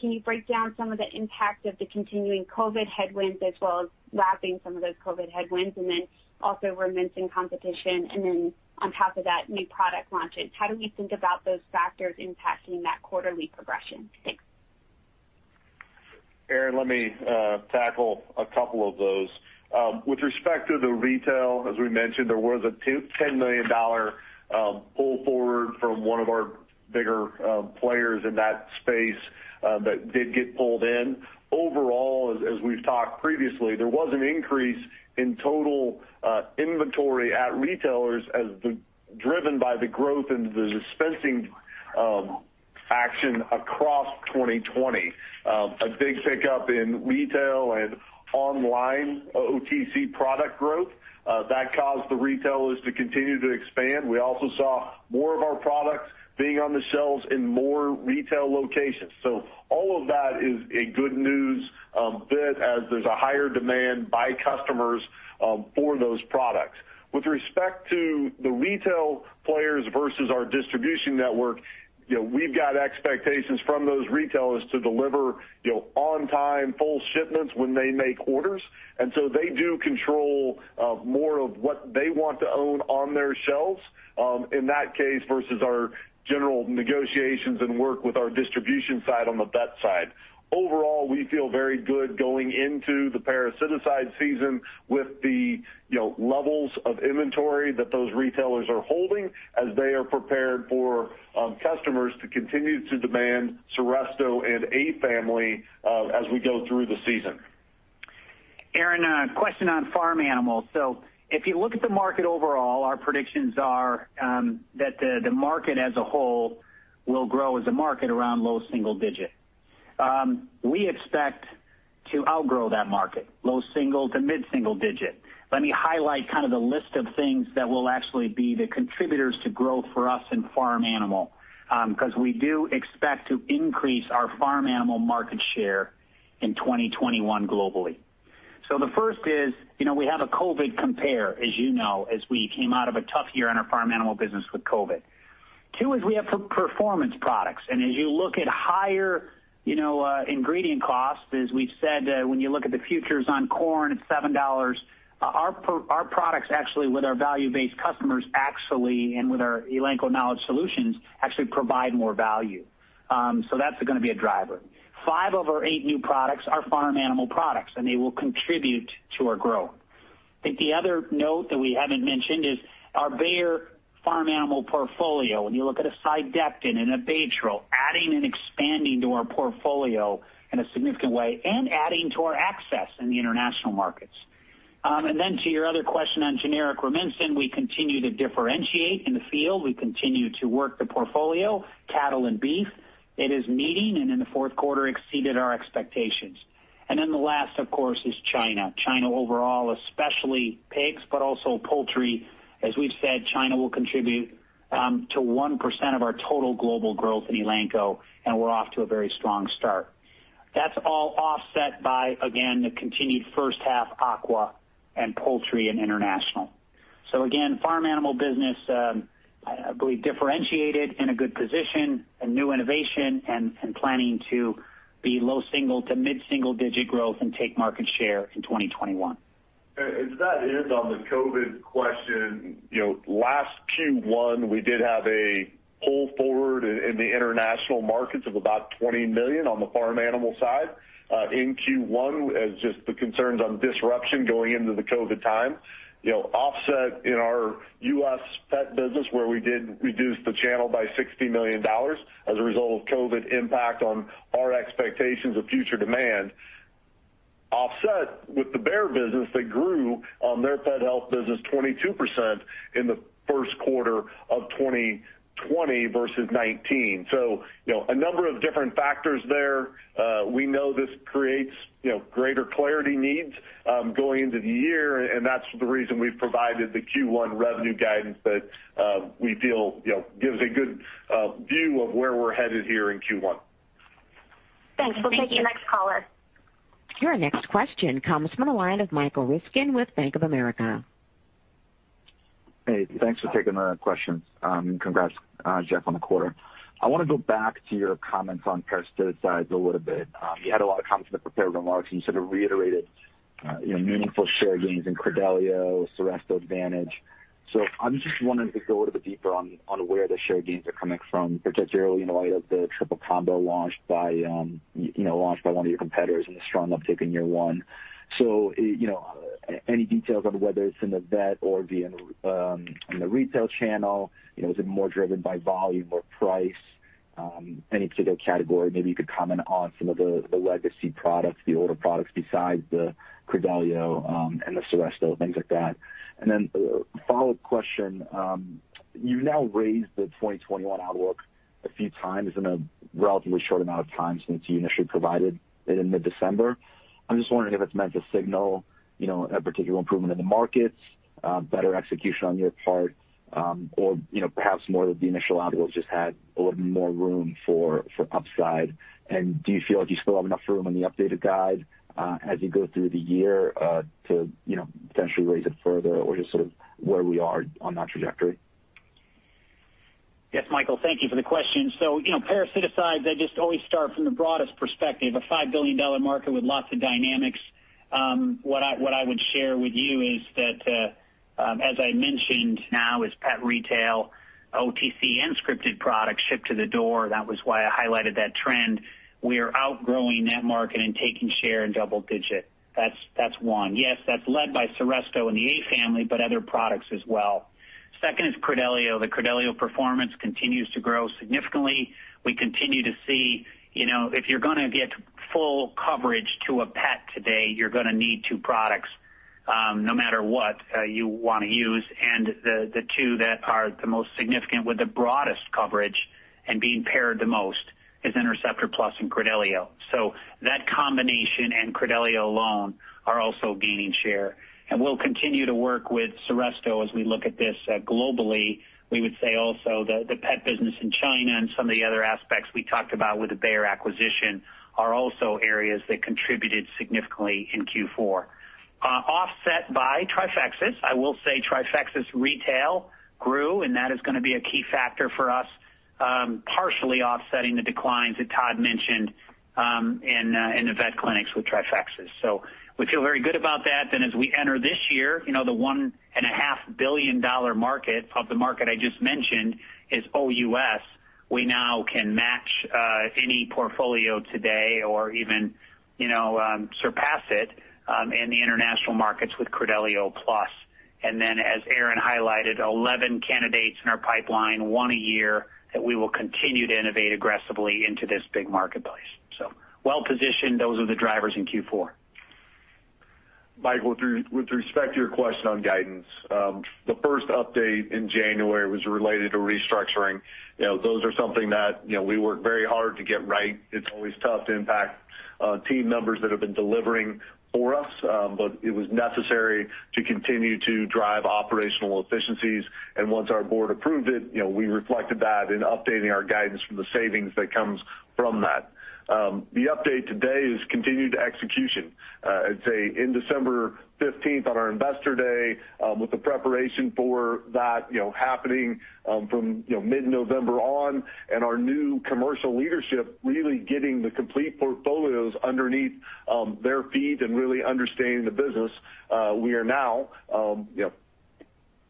Can you break down some of the impact of the continuing COVID headwinds as well as wrapping some of those COVID headwinds? And then also we're mentioning competition. And then on top of that, new product launches. How do we think about those factors impacting that quarterly progression? Thanks. Aaron, let me tackle a couple of those. With respect to the retail, as we mentioned, there was a $10 million pull forward from one of our bigger players in that space that did get pulled in. Overall, as we've talked previously, there was an increase in total inventory at retailers driven by the growth in the dispensing action across 2020. A big pickup in retail and online OTC product growth. That caused the retailers to continue to expand. We also saw more of our products being on the shelves in more retail locations, so all of that is a good news bit as there's a higher demand by customers for those products. With respect to the retail players versus our distribution network, we've got expectations from those retailers to deliver on time, full shipments when they make orders, and so they do control more of what they want to own on their shelves in that case versus our general negotiations and work with our distribution side on the vet side. Overall, we feel very good going into the parasiticide season with the levels of inventory that those retailers are holding as they are prepared for customers to continue to demand Seresto and Advantage Family as we go through the season. Erin, question on farm animals. So if you look at the market overall, our predictions are that the market as a whole will grow as a market around low-single-digit. We expect to outgrow that market, low-single- to mid-single-digit. Let me highlight kind of the list of things that will actually be the contributors to growth for us in farm animal because we do expect to increase our farm animal market share in 2021 globally. So the first is we have a COVID compare, as you know, as we came out of a tough year in our farm animal business with COVID. Two is we have performance products. And as you look at higher ingredient costs, as we've said, when you look at the futures on corn, it's $7. Our products actually, with our value-based customers actually and with our Elanco Knowledge Solutions, actually provide more value. So that's going to be a driver. Five of our eight new products are farm animal products, and they will contribute to our growth. I think the other note that we haven't mentioned is our Bayer Farm Animal portfolio. When you look at a Cydectin and a Baytril, adding and expanding to our portfolio in a significant way and adding to our access in the international markets. And then to your other question on generic Rumensin, we continue to differentiate in the field. We continue to work the portfolio, cattle and beef. It is meeting and in the fourth quarter exceeded our expectations. And then the last, of course, is China. China overall, especially pigs, but also poultry. As we've said, China will contribute to 1% of our total global growth in Elanco, and we're off to a very strong start. That's all offset by, again, the continued first half aqua and poultry and international. So again, farm animal business, I believe, differentiated in a good position, a new innovation, and planning to be low single- to mid-single-digit growth and take market share in 2021. As that ends on the COVID question, last Q1, we did have a pull forward in the international markets of about $20 million on the farm animal side in Q1 as just the concerns on disruption going into the COVID time. Offset in our U.S. pet business, where we did reduce the channel by $60 million as a result of COVID impact on our expectations of future demand. Offset with the Bayer business that grew on their pet health business 22% in the first quarter of 2020 versus 2019. So a number of different factors there. We know this creates greater clarity needs going into the year, and that's the reason we've provided the Q1 revenue guidance that we feel gives a good view of where we're headed here in Q1. Thanks. We'll take your next caller. Your next question comes from the line of Michael Ryskin with Bank of America. Hey, thanks for taking the questions. Congrats, Jeff, on the quarter. I want to go back to your comments on parasiticides a little bit. You had a lot of comments in the prepared remarks, and you sort of reiterated meaningful share gains in Credelio, Seresto Advantage. So I'm just wanting to go a little bit deeper on where the share gains are coming from, particularly in light of the triple combo launched by one of your competitors and the strong uptake in year one. So any details on whether it's in the vet or via the retail channel? Is it more driven by volume or price? Any particular category? Maybe you could comment on some of the legacy products, the older products besides the Credelio and the Seresto, things like that. And then follow-up question. You've now raised the 2021 outlook a few times in a relatively short amount of time since you initially provided it in mid-December. I'm just wondering if it's meant to signal a particular improvement in the markets, better execution on your part, or perhaps more that the initial outlook just had a little bit more room for upside. And do you feel like you still have enough room in the updated guide as you go through the year to potentially raise it further or just sort of where we are on that trajectory? Yes, Michael, thank you for the question. So parasiticides, I just always start from the broadest perspective, a $5 billion market with lots of dynamics. What I would share with you is that, as I mentioned, now is pet retail, OTC, and scripted products shipped to the door. That was why I highlighted that trend. We are outgrowing that market and taking share in double digit. That's one. Yes, that's led by Seresto and the Advantage Family, but other products as well. Second is Credelio. The Credelio performance continues to grow significantly. We continue to see if you're going to get full coverage to a pet today, you're going to need two products no matter what you want to use. And the two that are the most significant with the broadest coverage and being paired the most is Interceptor Plus and Credelio. So that combination and Credelio alone are also gaining share. And we'll continue to work with Seresto as we look at this globally. We would say also the pet business in China and some of the other aspects we talked about with the Bayer acquisition are also areas that contributed significantly in Q4. Offset by Trifexis. I will say Trifexis retail grew, and that is going to be a key factor for us, partially offsetting the declines that Todd mentioned in the vet clinics with Trifexis. So we feel very good about that. Then as we enter this year, the $1.5 billion market of the market I just mentioned is OUS. We now can match any portfolio today or even surpass it in the international markets with Credelio Plus. And then, as Aaron highlighted, 11 candidates in our pipeline, one a year that we will continue to innovate aggressively into this big marketplace. So well-positioned, those are the drivers in Q4. Michael, with respect to your question on guidance, the first update in January was related to restructuring. Those are something that we work very hard to get right. It's always tough to impact team members that have been delivering for us, but it was necessary to continue to drive operational efficiencies. And once our board approved it, we reflected that in updating our guidance from the savings that comes from that. The update today is continued execution. It's in December 15th on our investor day with the preparation for that happening from mid-November on. And our new commercial leadership really getting the complete portfolios underneath their feet and really understanding the business. We are now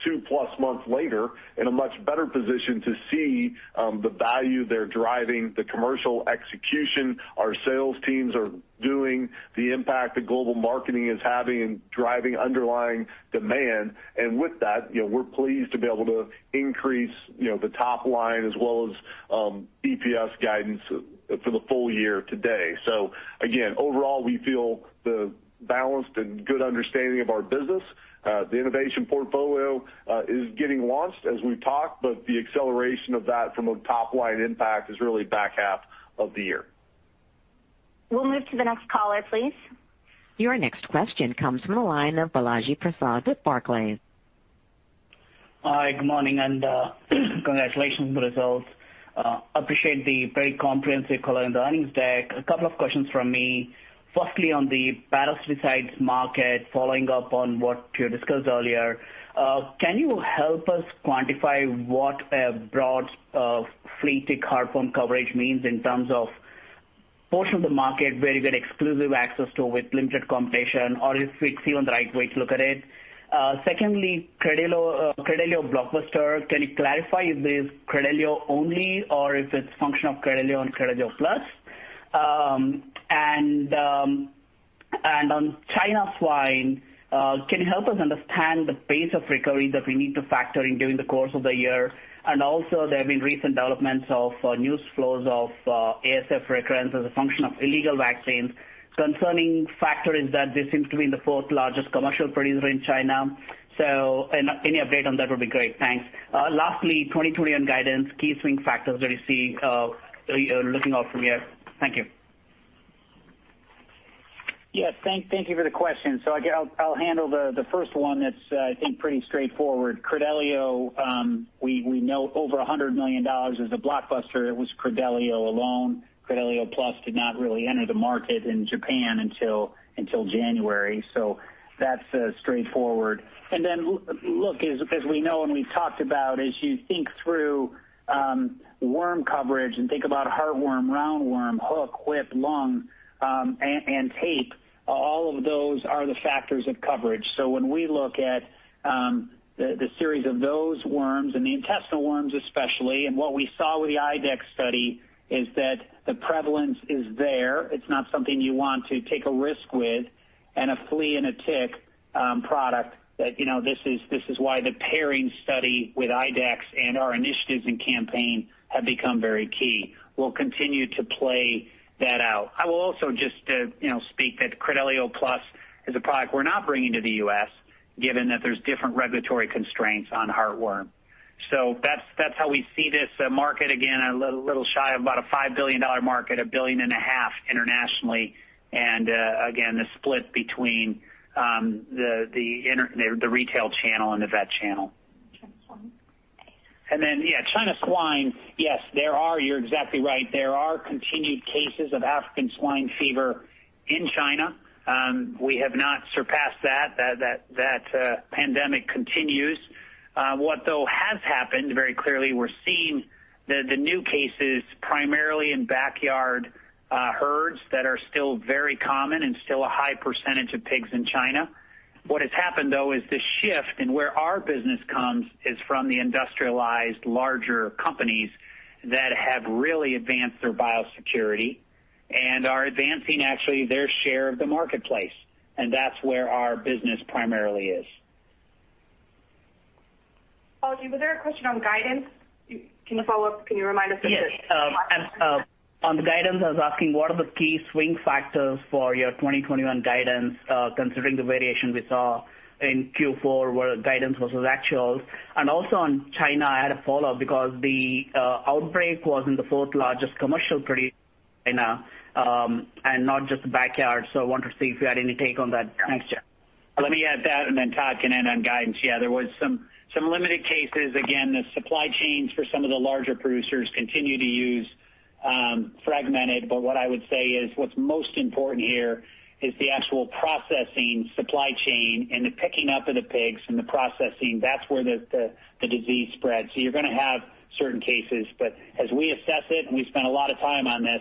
two-plus months later in a much better position to see the value they're driving, the commercial execution our sales teams are doing, the impact that global marketing is having and driving underlying demand. And with that, we're pleased to be able to increase the top line as well as EPS guidance for the full year today. So again, overall, we feel the balanced and good understanding of our business. The innovation portfolio is getting launched as we talk, but the acceleration of that from a top line impact is really back half of the year. We'll move to the next caller, please. Your next question comes from the line of Balaji Prasad with Barclays. Hi, good morning and congratulations on the results. Appreciate the very comprehensive color in the earnings deck. A couple of questions from me. Firstly, on the parasiticides market, following up on what you discussed earlier, can you help us quantify what a broad flea-tick heartworm coverage means in terms of portion of the market where you get exclusive access to with limited competition or if it's even the right way to look at it? Secondly, Credelio blockbuster, can you clarify if it is Credelio only or if it's a function of Credelio and Credelio Plus? And on China swine, can you help us understand the pace of recovery that we need to factor in during the course of the year? And also, there have been recent developments of news flows of ASF recurrence as a function of illegal vaccines. A concerning factor is that this seems to be the fourth largest commercial producer in China. So any update on that would be great. Thanks. Lastly, 2021 guidance, key swing factors that you see looking out from here. Thank you. Yes, thank you for the question. So I'll handle the first one that's, I think, pretty straightforward. Credelio, we know over $100 million is a blockbuster. It was Credelio alone. Credelio Plus did not really enter the market in Japan until January. So that's straightforward. And then look, as we know and we've talked about, as you think through worm coverage and think about heartworm, roundworm, hook, whip, lung, and tape, all of those are the factors of coverage. So when we look at the series of those worms and the intestinal worms especially, and what we saw with the IDEXX study is that the prevalence is there. It's not something you want to take a risk with. A flea and a tick product, this is why the pairing study with IDEXX and our initiatives and campaign have become very key. We'll continue to play that out. I will also just speak that Credelio Plus is a product we're not bringing to the U.S., given that there's different regulatory constraints on heartworm. So that's how we see this market. Again, a little shy of about a $5 billion market, a billion and a half internationally. And again, the split between the retail channel and the vet channel. And then, yeah, China swine, yes, there are, you're exactly right. There are continued cases of African swine fever in China. We have not surpassed that. That pandemic continues. What though has happened, very clearly, we're seeing the new cases primarily in backyard herds that are still very common and still a high percentage of pigs in China. What has happened, though, is the shift in where our business comes is from the industrialized larger companies that have really advanced their biosecurity and are advancing actually their share of the marketplace. And that's where our business primarily is. Apologies, was there a question on guidance? Can you follow up? Can you remind us of this? Yes. On guidance, I was asking what are the key swing factors for your 2021 guidance considering the variation we saw in Q4 where guidance was as actual? And also on China, I had a follow-up because the outbreak was in the fourth largest commercial producer in China and not just backyard. So I wanted to see if you had any take on that. Thanks, Jeff. Let me add that and then Todd can end on guidance. Yeah, there were some limited cases. Again, the supply chains for some of the larger producers continue to be fragmented. But what I would say is what's most important here is the actual processing supply chain and the picking up of the pigs and the processing. That's where the disease spreads. So you're going to have certain cases. But as we assess it and we spend a lot of time on this,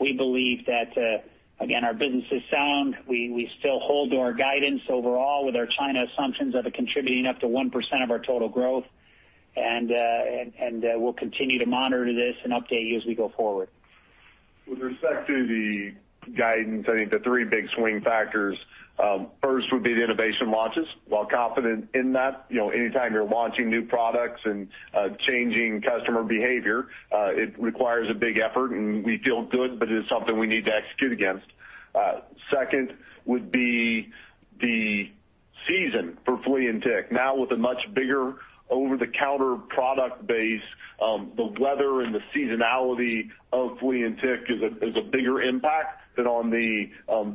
we believe that, again, our business is sound. We still hold to our guidance overall with our China assumptions of it contributing up to 1% of our total growth. And we'll continue to monitor this and update you as we go forward. With respect to the guidance, I think the three big swing factors, first would be the innovation launches. While confident in that, anytime you're launching new products and changing customer behavior, it requires a big effort. And we feel good, but it is something we need to execute against. Second would be the season for flea and tick. Now, with a much bigger over-the-counter product base, the weather and the seasonality of flea and tick is a bigger impact than on the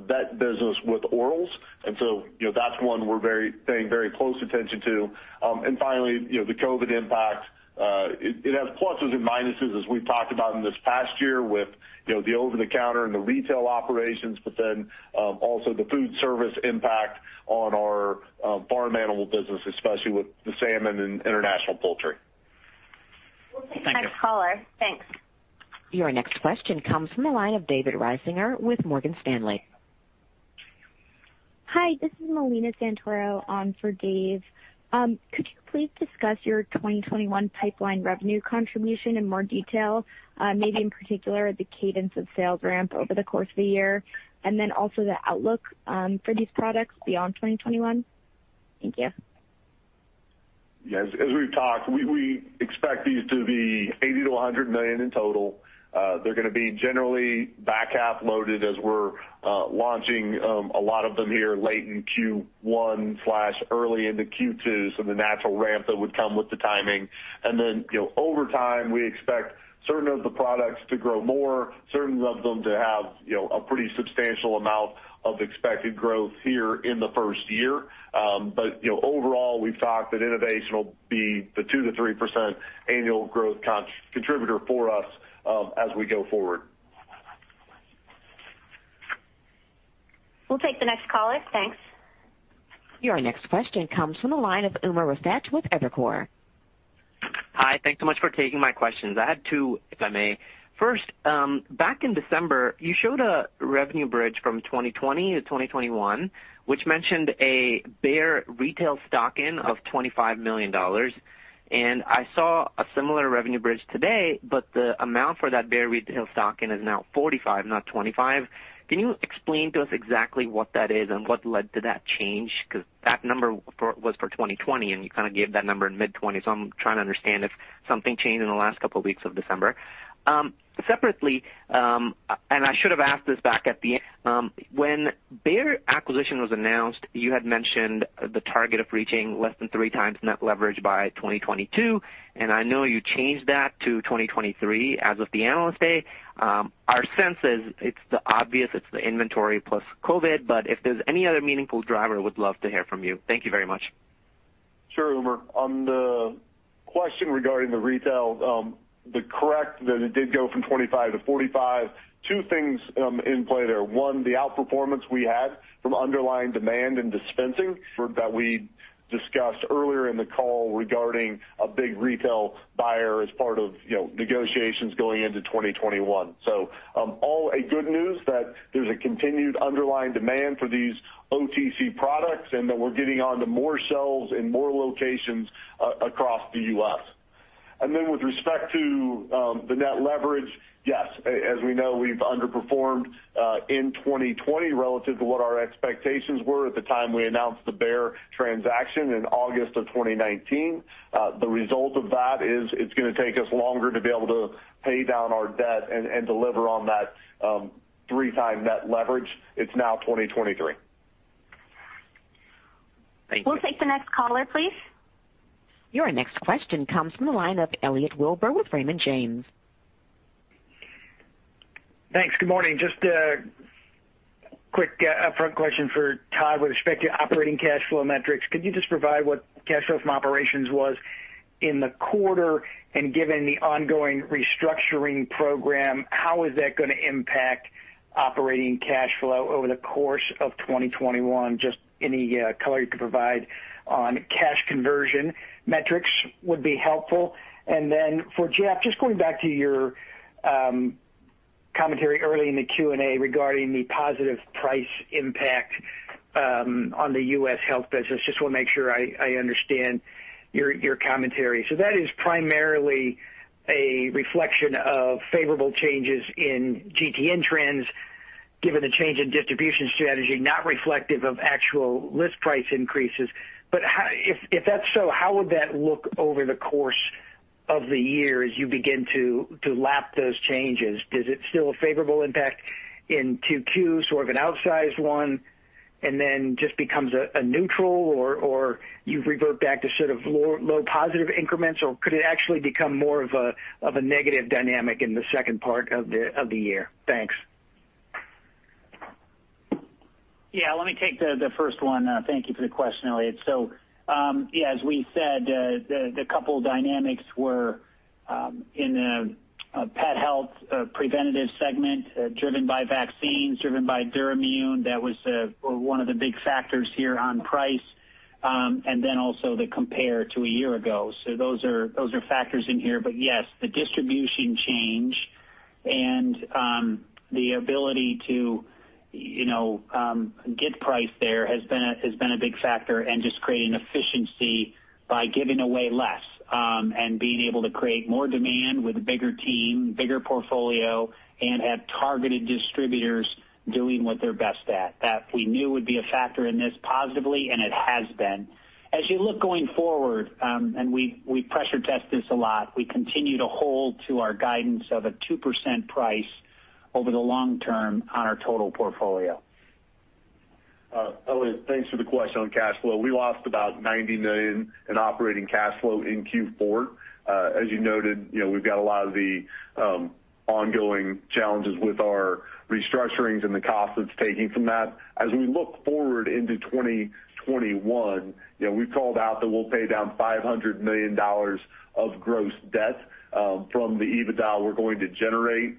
vet business with orals. And so that's one we're paying very close attention to. And finally, the COVID impact. It has pluses and minuses as we've talked about in this past year with the over-the-counter and the retail operations, but then also the food service impact on our farm animal business, especially with the salmon and international poultry. Thank you. Next caller. Thanks. Your next question comes from the line of David Risinger with Morgan Stanley. Hi, this is Melina Santoro on for Dave. Could you please discuss your 2021 pipeline revenue contribution in more detail, maybe in particular the cadence of sales ramp over the course of the year, and then also the outlook for these products beyond 2021? Thank you. Yeah, as we've talked, we expect these to be $80 million-$100 million in total. They're going to be generally back half loaded as we're launching a lot of them here late in Q1/early into Q2, so the natural ramp that would come with the timing. And then over time, we expect certain of the products to grow more, certain of them to have a pretty substantial amount of expected growth here in the first year. But overall, we've talked that innovation will be the 2%-3% annual growth contributor for us as we go forward. We'll take the next caller. Thanks. Your next question comes from the line of Umer Raffat with Evercore ISI. Hi, thanks so much for taking my questions. I had two, if I may. First, back in December, you showed a revenue bridge from 2020 to 2021, which mentioned a Bayer retail stock-in of $25 million. And I saw a similar revenue bridge today, but the amount for that Bayer retail stock-in is now $45 million, not $25 million. Can you explain to us exactly what that is and what led to that change? Because that number was for 2020, and you kind of gave that number in mid-2020. So I'm trying to understand if something changed in the last couple of weeks of December. Separately, and I should have asked this back at the. When Bayer acquisition was announced, you had mentioned the target of reaching less than three times net leverage by 2022. I know you changed that to 2023 as of the analyst day. Our sense is it's the obvious; it's the inventory plus COVID. But if there's any other meaningful driver, I would love to hear from you. Thank you very much. Sure, Umer. On the question regarding the retail, to correct that it did go from $25 million- $45 million, two things in play there. One, the outperformance we had from underlying demand and dispensing. That we discussed earlier in the call regarding a big retail buyer as part of negotiations going into 2021. So all good news that there's a continued underlying demand for these OTC products and that we're getting on to more shelves in more locations across the U.S. And then with respect to the net leverage, yes, as we know, we've underperformed in 2020 relative to what our expectations were at the time we announced the Bayer transaction in August of 2019. The result of that is it's going to take us longer to be able to pay down our debt and deliver on that three-time net leverage. It's now 2023. Thank you. We'll take the next caller, please. Your next question comes from the line of Elliot Wilbur with Raymond James. Thanks. Good morning. Just a quick upfront question for Todd with respect to operating cash flow metrics. Could you just provide what cash flow from operations was in the quarter? And given the ongoing restructuring program, how is that going to impact operating cash flow over the course of 2021? Just any color you could provide on cash conversion metrics would be helpful. And then, for Jeff, just going back to your commentary early in the Q&A regarding the positive price impact on the U.S. health business. I just want to make sure I understand your commentary. So that is primarily a reflection of favorable changes in GTN trends given the change in distribution strategy, not reflective of actual list price increases. But if that's so, how would that look over the course of the year as you begin to lap those changes? Is it still a favorable impact in Q2, sort of an outsized one, and then just becomes a neutral, or you revert back to sort of low positive increments? Or could it actually become more of a negative dynamic in the second part of the year? Thanks. Yeah, let me take the first one. Thank you for the question, Elliot. So yeah, as we said, the couple of dynamics were in the pet health preventative segment driven by vaccines, driven by Duramune. That was one of the big factors here on price. And then also the compare to a year ago. So those are factors in here. But yes, the distribution change and the ability to get price there has been a big factor and just creating efficiency by giving away less and being able to create more demand with a bigger team, bigger portfolio, and have targeted distributors doing what they're best at. That we knew would be a factor in this positively, and it has been. As you look going forward, and we pressure test this a lot, we continue to hold to our guidance of a 2% price over the long term on our total portfolio. Elliot, thanks for the question on cash flow. We lost about $90 million in operating cash flow in Q4. As you noted, we've got a lot of the ongoing challenges with our restructurings and the costs it's taking from that. As we look forward into 2021, we've called out that we'll pay down $500 million of gross debt from the EBITDA we're going to generate.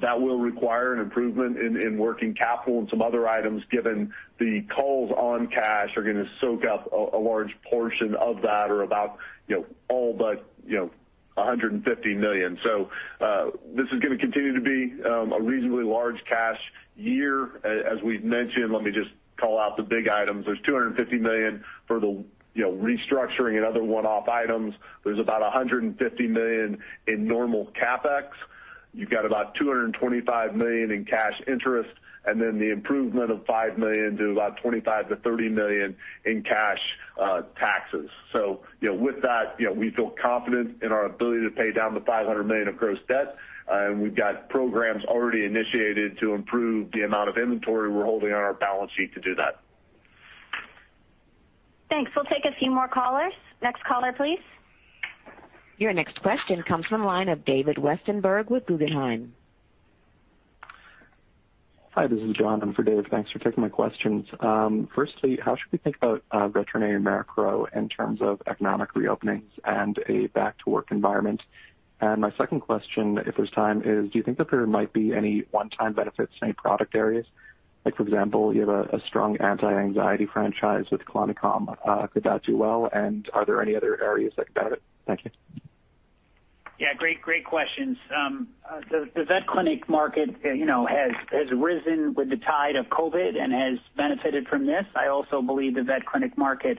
That will require an improvement in working capital and some other items given the calls on cash are going to soak up a large portion of that or about all but $150 million. So this is going to continue to be a reasonably large cash year. As we've mentioned, let me just call out the big items. There's $250 million for the restructuring and other one-off items. There's about $150 million in normal CapEx. You've got about $225 million in cash interest, and then the improvement of $5 million to about $25 million-$30 million in cash taxes. So with that, we feel confident in our ability to pay down the $500 million of gross debt. And we've got programs already initiated to improve the amount of inventory we're holding on our balance sheet to do that. Thanks. We'll take a few more callers. Next caller, please. Your next question comes from the line of David Westenberg with Guggenheim. Hi, this is John. I'm for Dave. Thanks for taking my questions. Firstly, how should we think about veterinary margins in terms of economic reopenings and a back-to-work environment? And my second question, if there's time, is do you think that there might be any one-time benefits in any product areas? Like, for example, you have a strong anti-anxiety franchise with Clomicalm. Could that do well? And are there any other areas that could benefit? Thank you. Yeah, great questions. The vet clinic market has risen with the tide of COVID and has benefited from this. I also believe the vet clinic market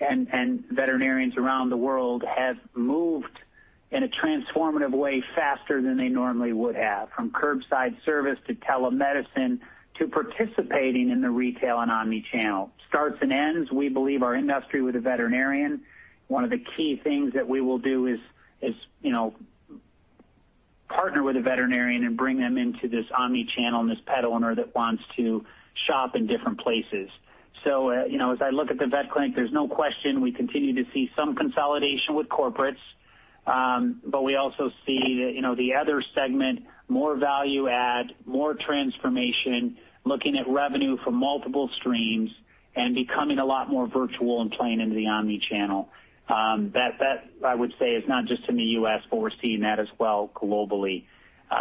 and veterinarians around the world have moved in a transformative way faster than they normally would have, from curbside service to telemedicine to participating in the retail and omnichannel. Starts and ends, we believe our industry with a veterinarian, one of the key things that we will do is partner with a veterinarian and bring them into this omnichannel and this pet owner that wants to shop in different places. So as I look at the vet clinic, there's no question we continue to see some consolidation with corporates. But we also see the other segment, more value add, more transformation, looking at revenue from multiple streams and becoming a lot more virtual and playing into the omnichannel. That, I would say, is not just in the U.S., but we're seeing that as well globally.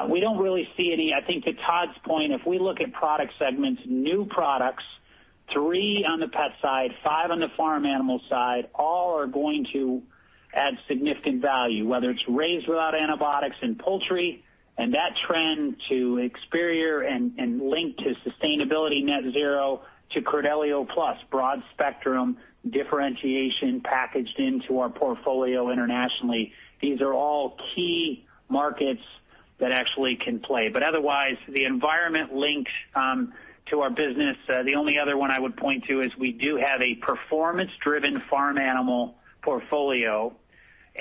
We don't really see any, I think to Todd's point, if we look at product segments, new products, three on the pet side, five on the farm animal side, all are going to add significant value, whether it's raised without antibiotics and poultry, and that trend to Experior and link to sustainability net zero to Credelio Plus, broad spectrum differentiation packaged into our portfolio internationally. These are all key markets that actually can play. But otherwise, the environment linked to our business, the only other one I would point to is we do have a performance-driven farm animal portfolio,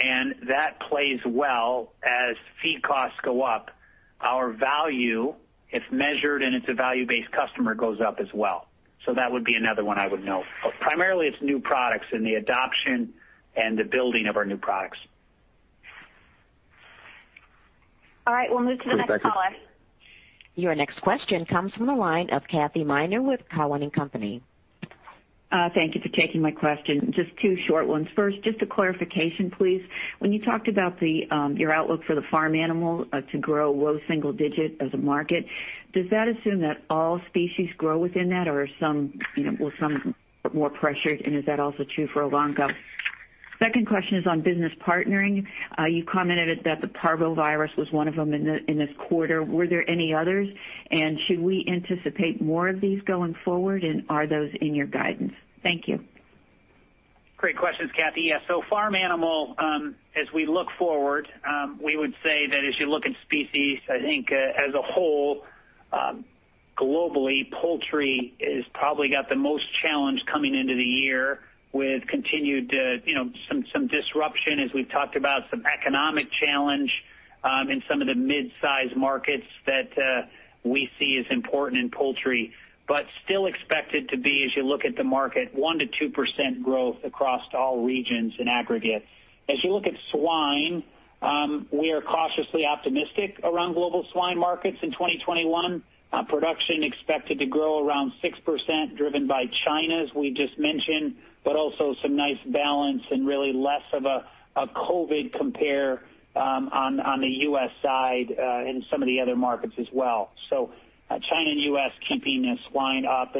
and that plays well as feed costs go up. Our value, if measured and it's a value-based customer, goes up as well. So that would be another one I would note. But primarily, it's new products and the adoption and the building of our new products. All right. We'll move to the next caller. Your next question comes from the line of Kathy Miner with Cowen and Company. Thank you for taking my question. Just two short ones. First, just a clarification, please. When you talked about your outlook for the farm animal to grow low single digit as a market, does that assume that all species grow within that, or will some be more pressured? And is that also true for Elanco? Second question is on business partnering. You commented that the parvovirus was one of them in this quarter. Were there any others? And should we anticipate more of these going forward? And are those in your guidance? Thank you. Great questions, Kathy. Yes, so farm animal, as we look forward, we would say that as you look at species, I think as a whole, globally, poultry has probably got the most challenge coming into the year with continued some disruption, as we've talked about, some economic challenge in some of the mid-size markets that we see as important in poultry, but still expected to be, as you look at the market, 1%-2% growth across all regions in aggregate. As you look at swine, we are cautiously optimistic around global swine markets in 2021. Production expected to grow around 6%, driven by China, as we just mentioned, but also some nice balance and really less of a COVID compare on the U.S. side and some of the other markets as well. China and U.S. keeping swine up.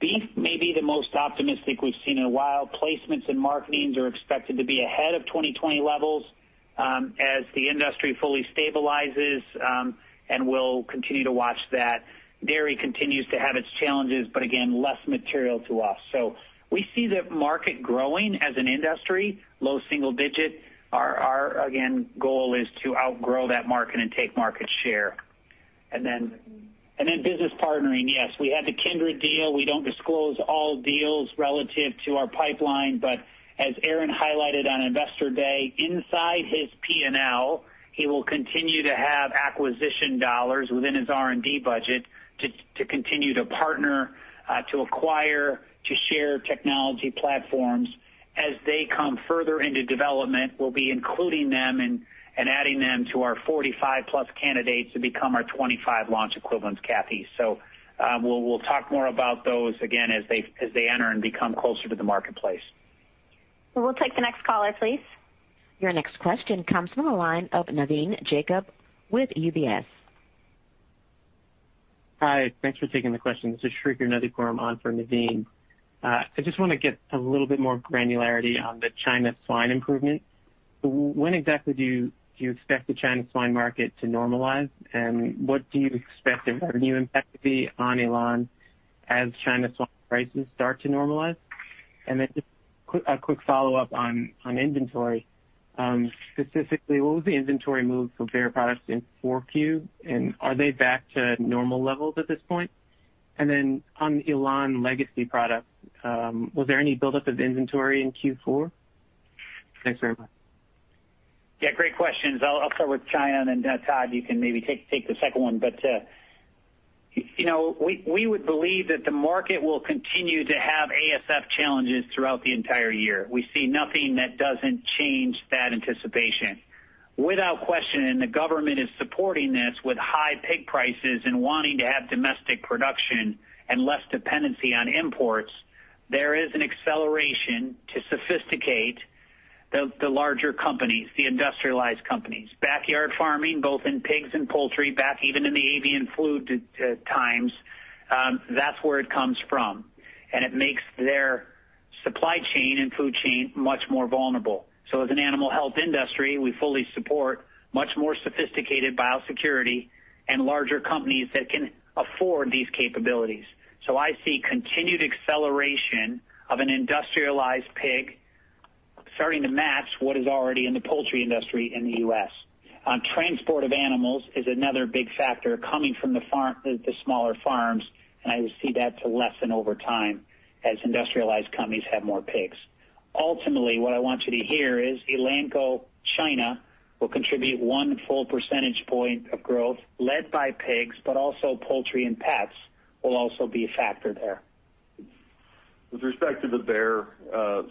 Beef, maybe the most optimistic we've seen in a while. Placements and marketings are expected to be ahead of 2020 levels as the industry fully stabilizes, and we'll continue to watch that. Dairy continues to have its challenges, but again, less material to us. The market growing as an industry, low single digit. Our goal is to outgrow that market and take market share. Business partnering, yes. We had the Kindred deal. We don't disclose all deals relative to our pipeline, but as Aaron highlighted on Investor Day, inside his P&L, he will continue to have acquisition dollars within his R&D budget to continue to partner, to acquire, to share technology platforms. As they come further into development, we'll be including them and adding them to our 45-plus candidates to become our 25 launch equivalents, Kathy. So we'll talk more about those again as they enter and become closer to the marketplace. We'll take the next caller, please. Your next question comes from the line of Navin Jacob with UBS. Hi, thanks for taking the question. This is Saree Boroditsky on for Navin. I just want to get a little bit more granularity on the China Swine improvement. When exactly do you expect the China Swine market to normalize? And what do you expect the revenue impact to be on Elanco as China Swine prices start to normalize? And then a quick follow-up on inventory. Specifically, what was the inventory move for Bayer products in Q4? And are they back to normal levels at this point? And then on Elanco legacy products, was there any buildup of inventory in Q4? Thanks very much. Yeah, great questions. I'll start with China, and then Todd, you can maybe take the second one. But we would believe that the market will continue to have ASF challenges throughout the entire year. We see nothing that doesn't change that anticipation. Without question, and the government is supporting this with high pig prices and wanting to have domestic production and less dependency on imports, there is an acceleration to sophisticate the larger companies, the industrialized companies. Backyard farming, both in pigs and poultry, back even in the avian flu times, that's where it comes from. And it makes their supply chain and food chain much more vulnerable. So as an animal health industry, we fully support much more sophisticated biosecurity and larger companies that can afford these capabilities. So I see continued acceleration of an industrialized pig starting to match what is already in the poultry industry in the U.S. Transport of animals is another big factor coming from the smaller farms, and I see that to lessen over time as industrialized companies have more pigs. Ultimately, what I want you to hear is Elanco China will contribute one full percentage point of growth led by pigs, but also poultry and pets will also be a factor there. With respect to the Bayer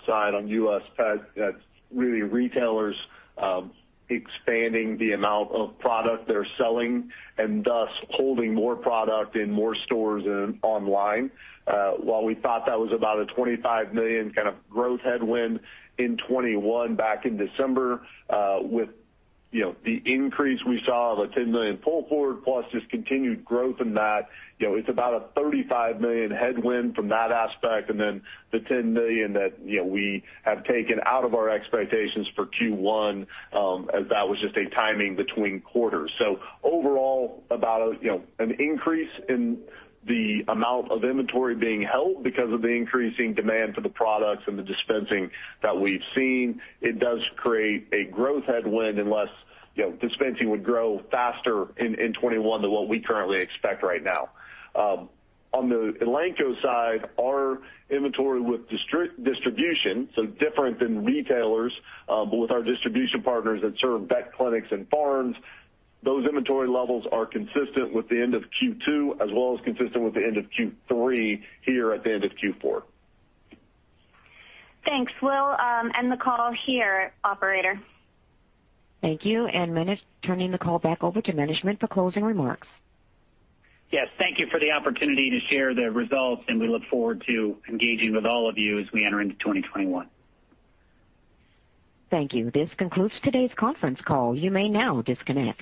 side on U.S. pet, that's really retailers expanding the amount of product they're selling and thus holding more product in more stores online. While we thought that was about a $25 million kind of growth headwind in 2021 back in December, with the increase we saw of a $10 million pulled forward plus just continued growth in that, it's about a $35 million headwind from that aspect. And then the $10 million that we have taken out of our expectations for Q1, as that was just a timing between quarters. So overall, about an increase in the amount of inventory being held because of the increasing demand for the products and the dispensing that we've seen, it does create a growth headwind unless dispensing would grow faster in 2021 than what we currently expect right now. On the Elanco side, our inventory with distribution, so different than retailers, but with our distribution partners that serve vet clinics and farms, those inventory levels are consistent with the end of Q2 as well as consistent with the end of Q3 here at the end of Q4. Thanks. We'll end the call here, Operator. Thank you. And turning the call back over to management for closing remarks. Yes, thank you for the opportunity to share the results, and we look forward to engaging with all of you as we enter into 2021. Thank you. This concludes today's conference call. You may now disconnect.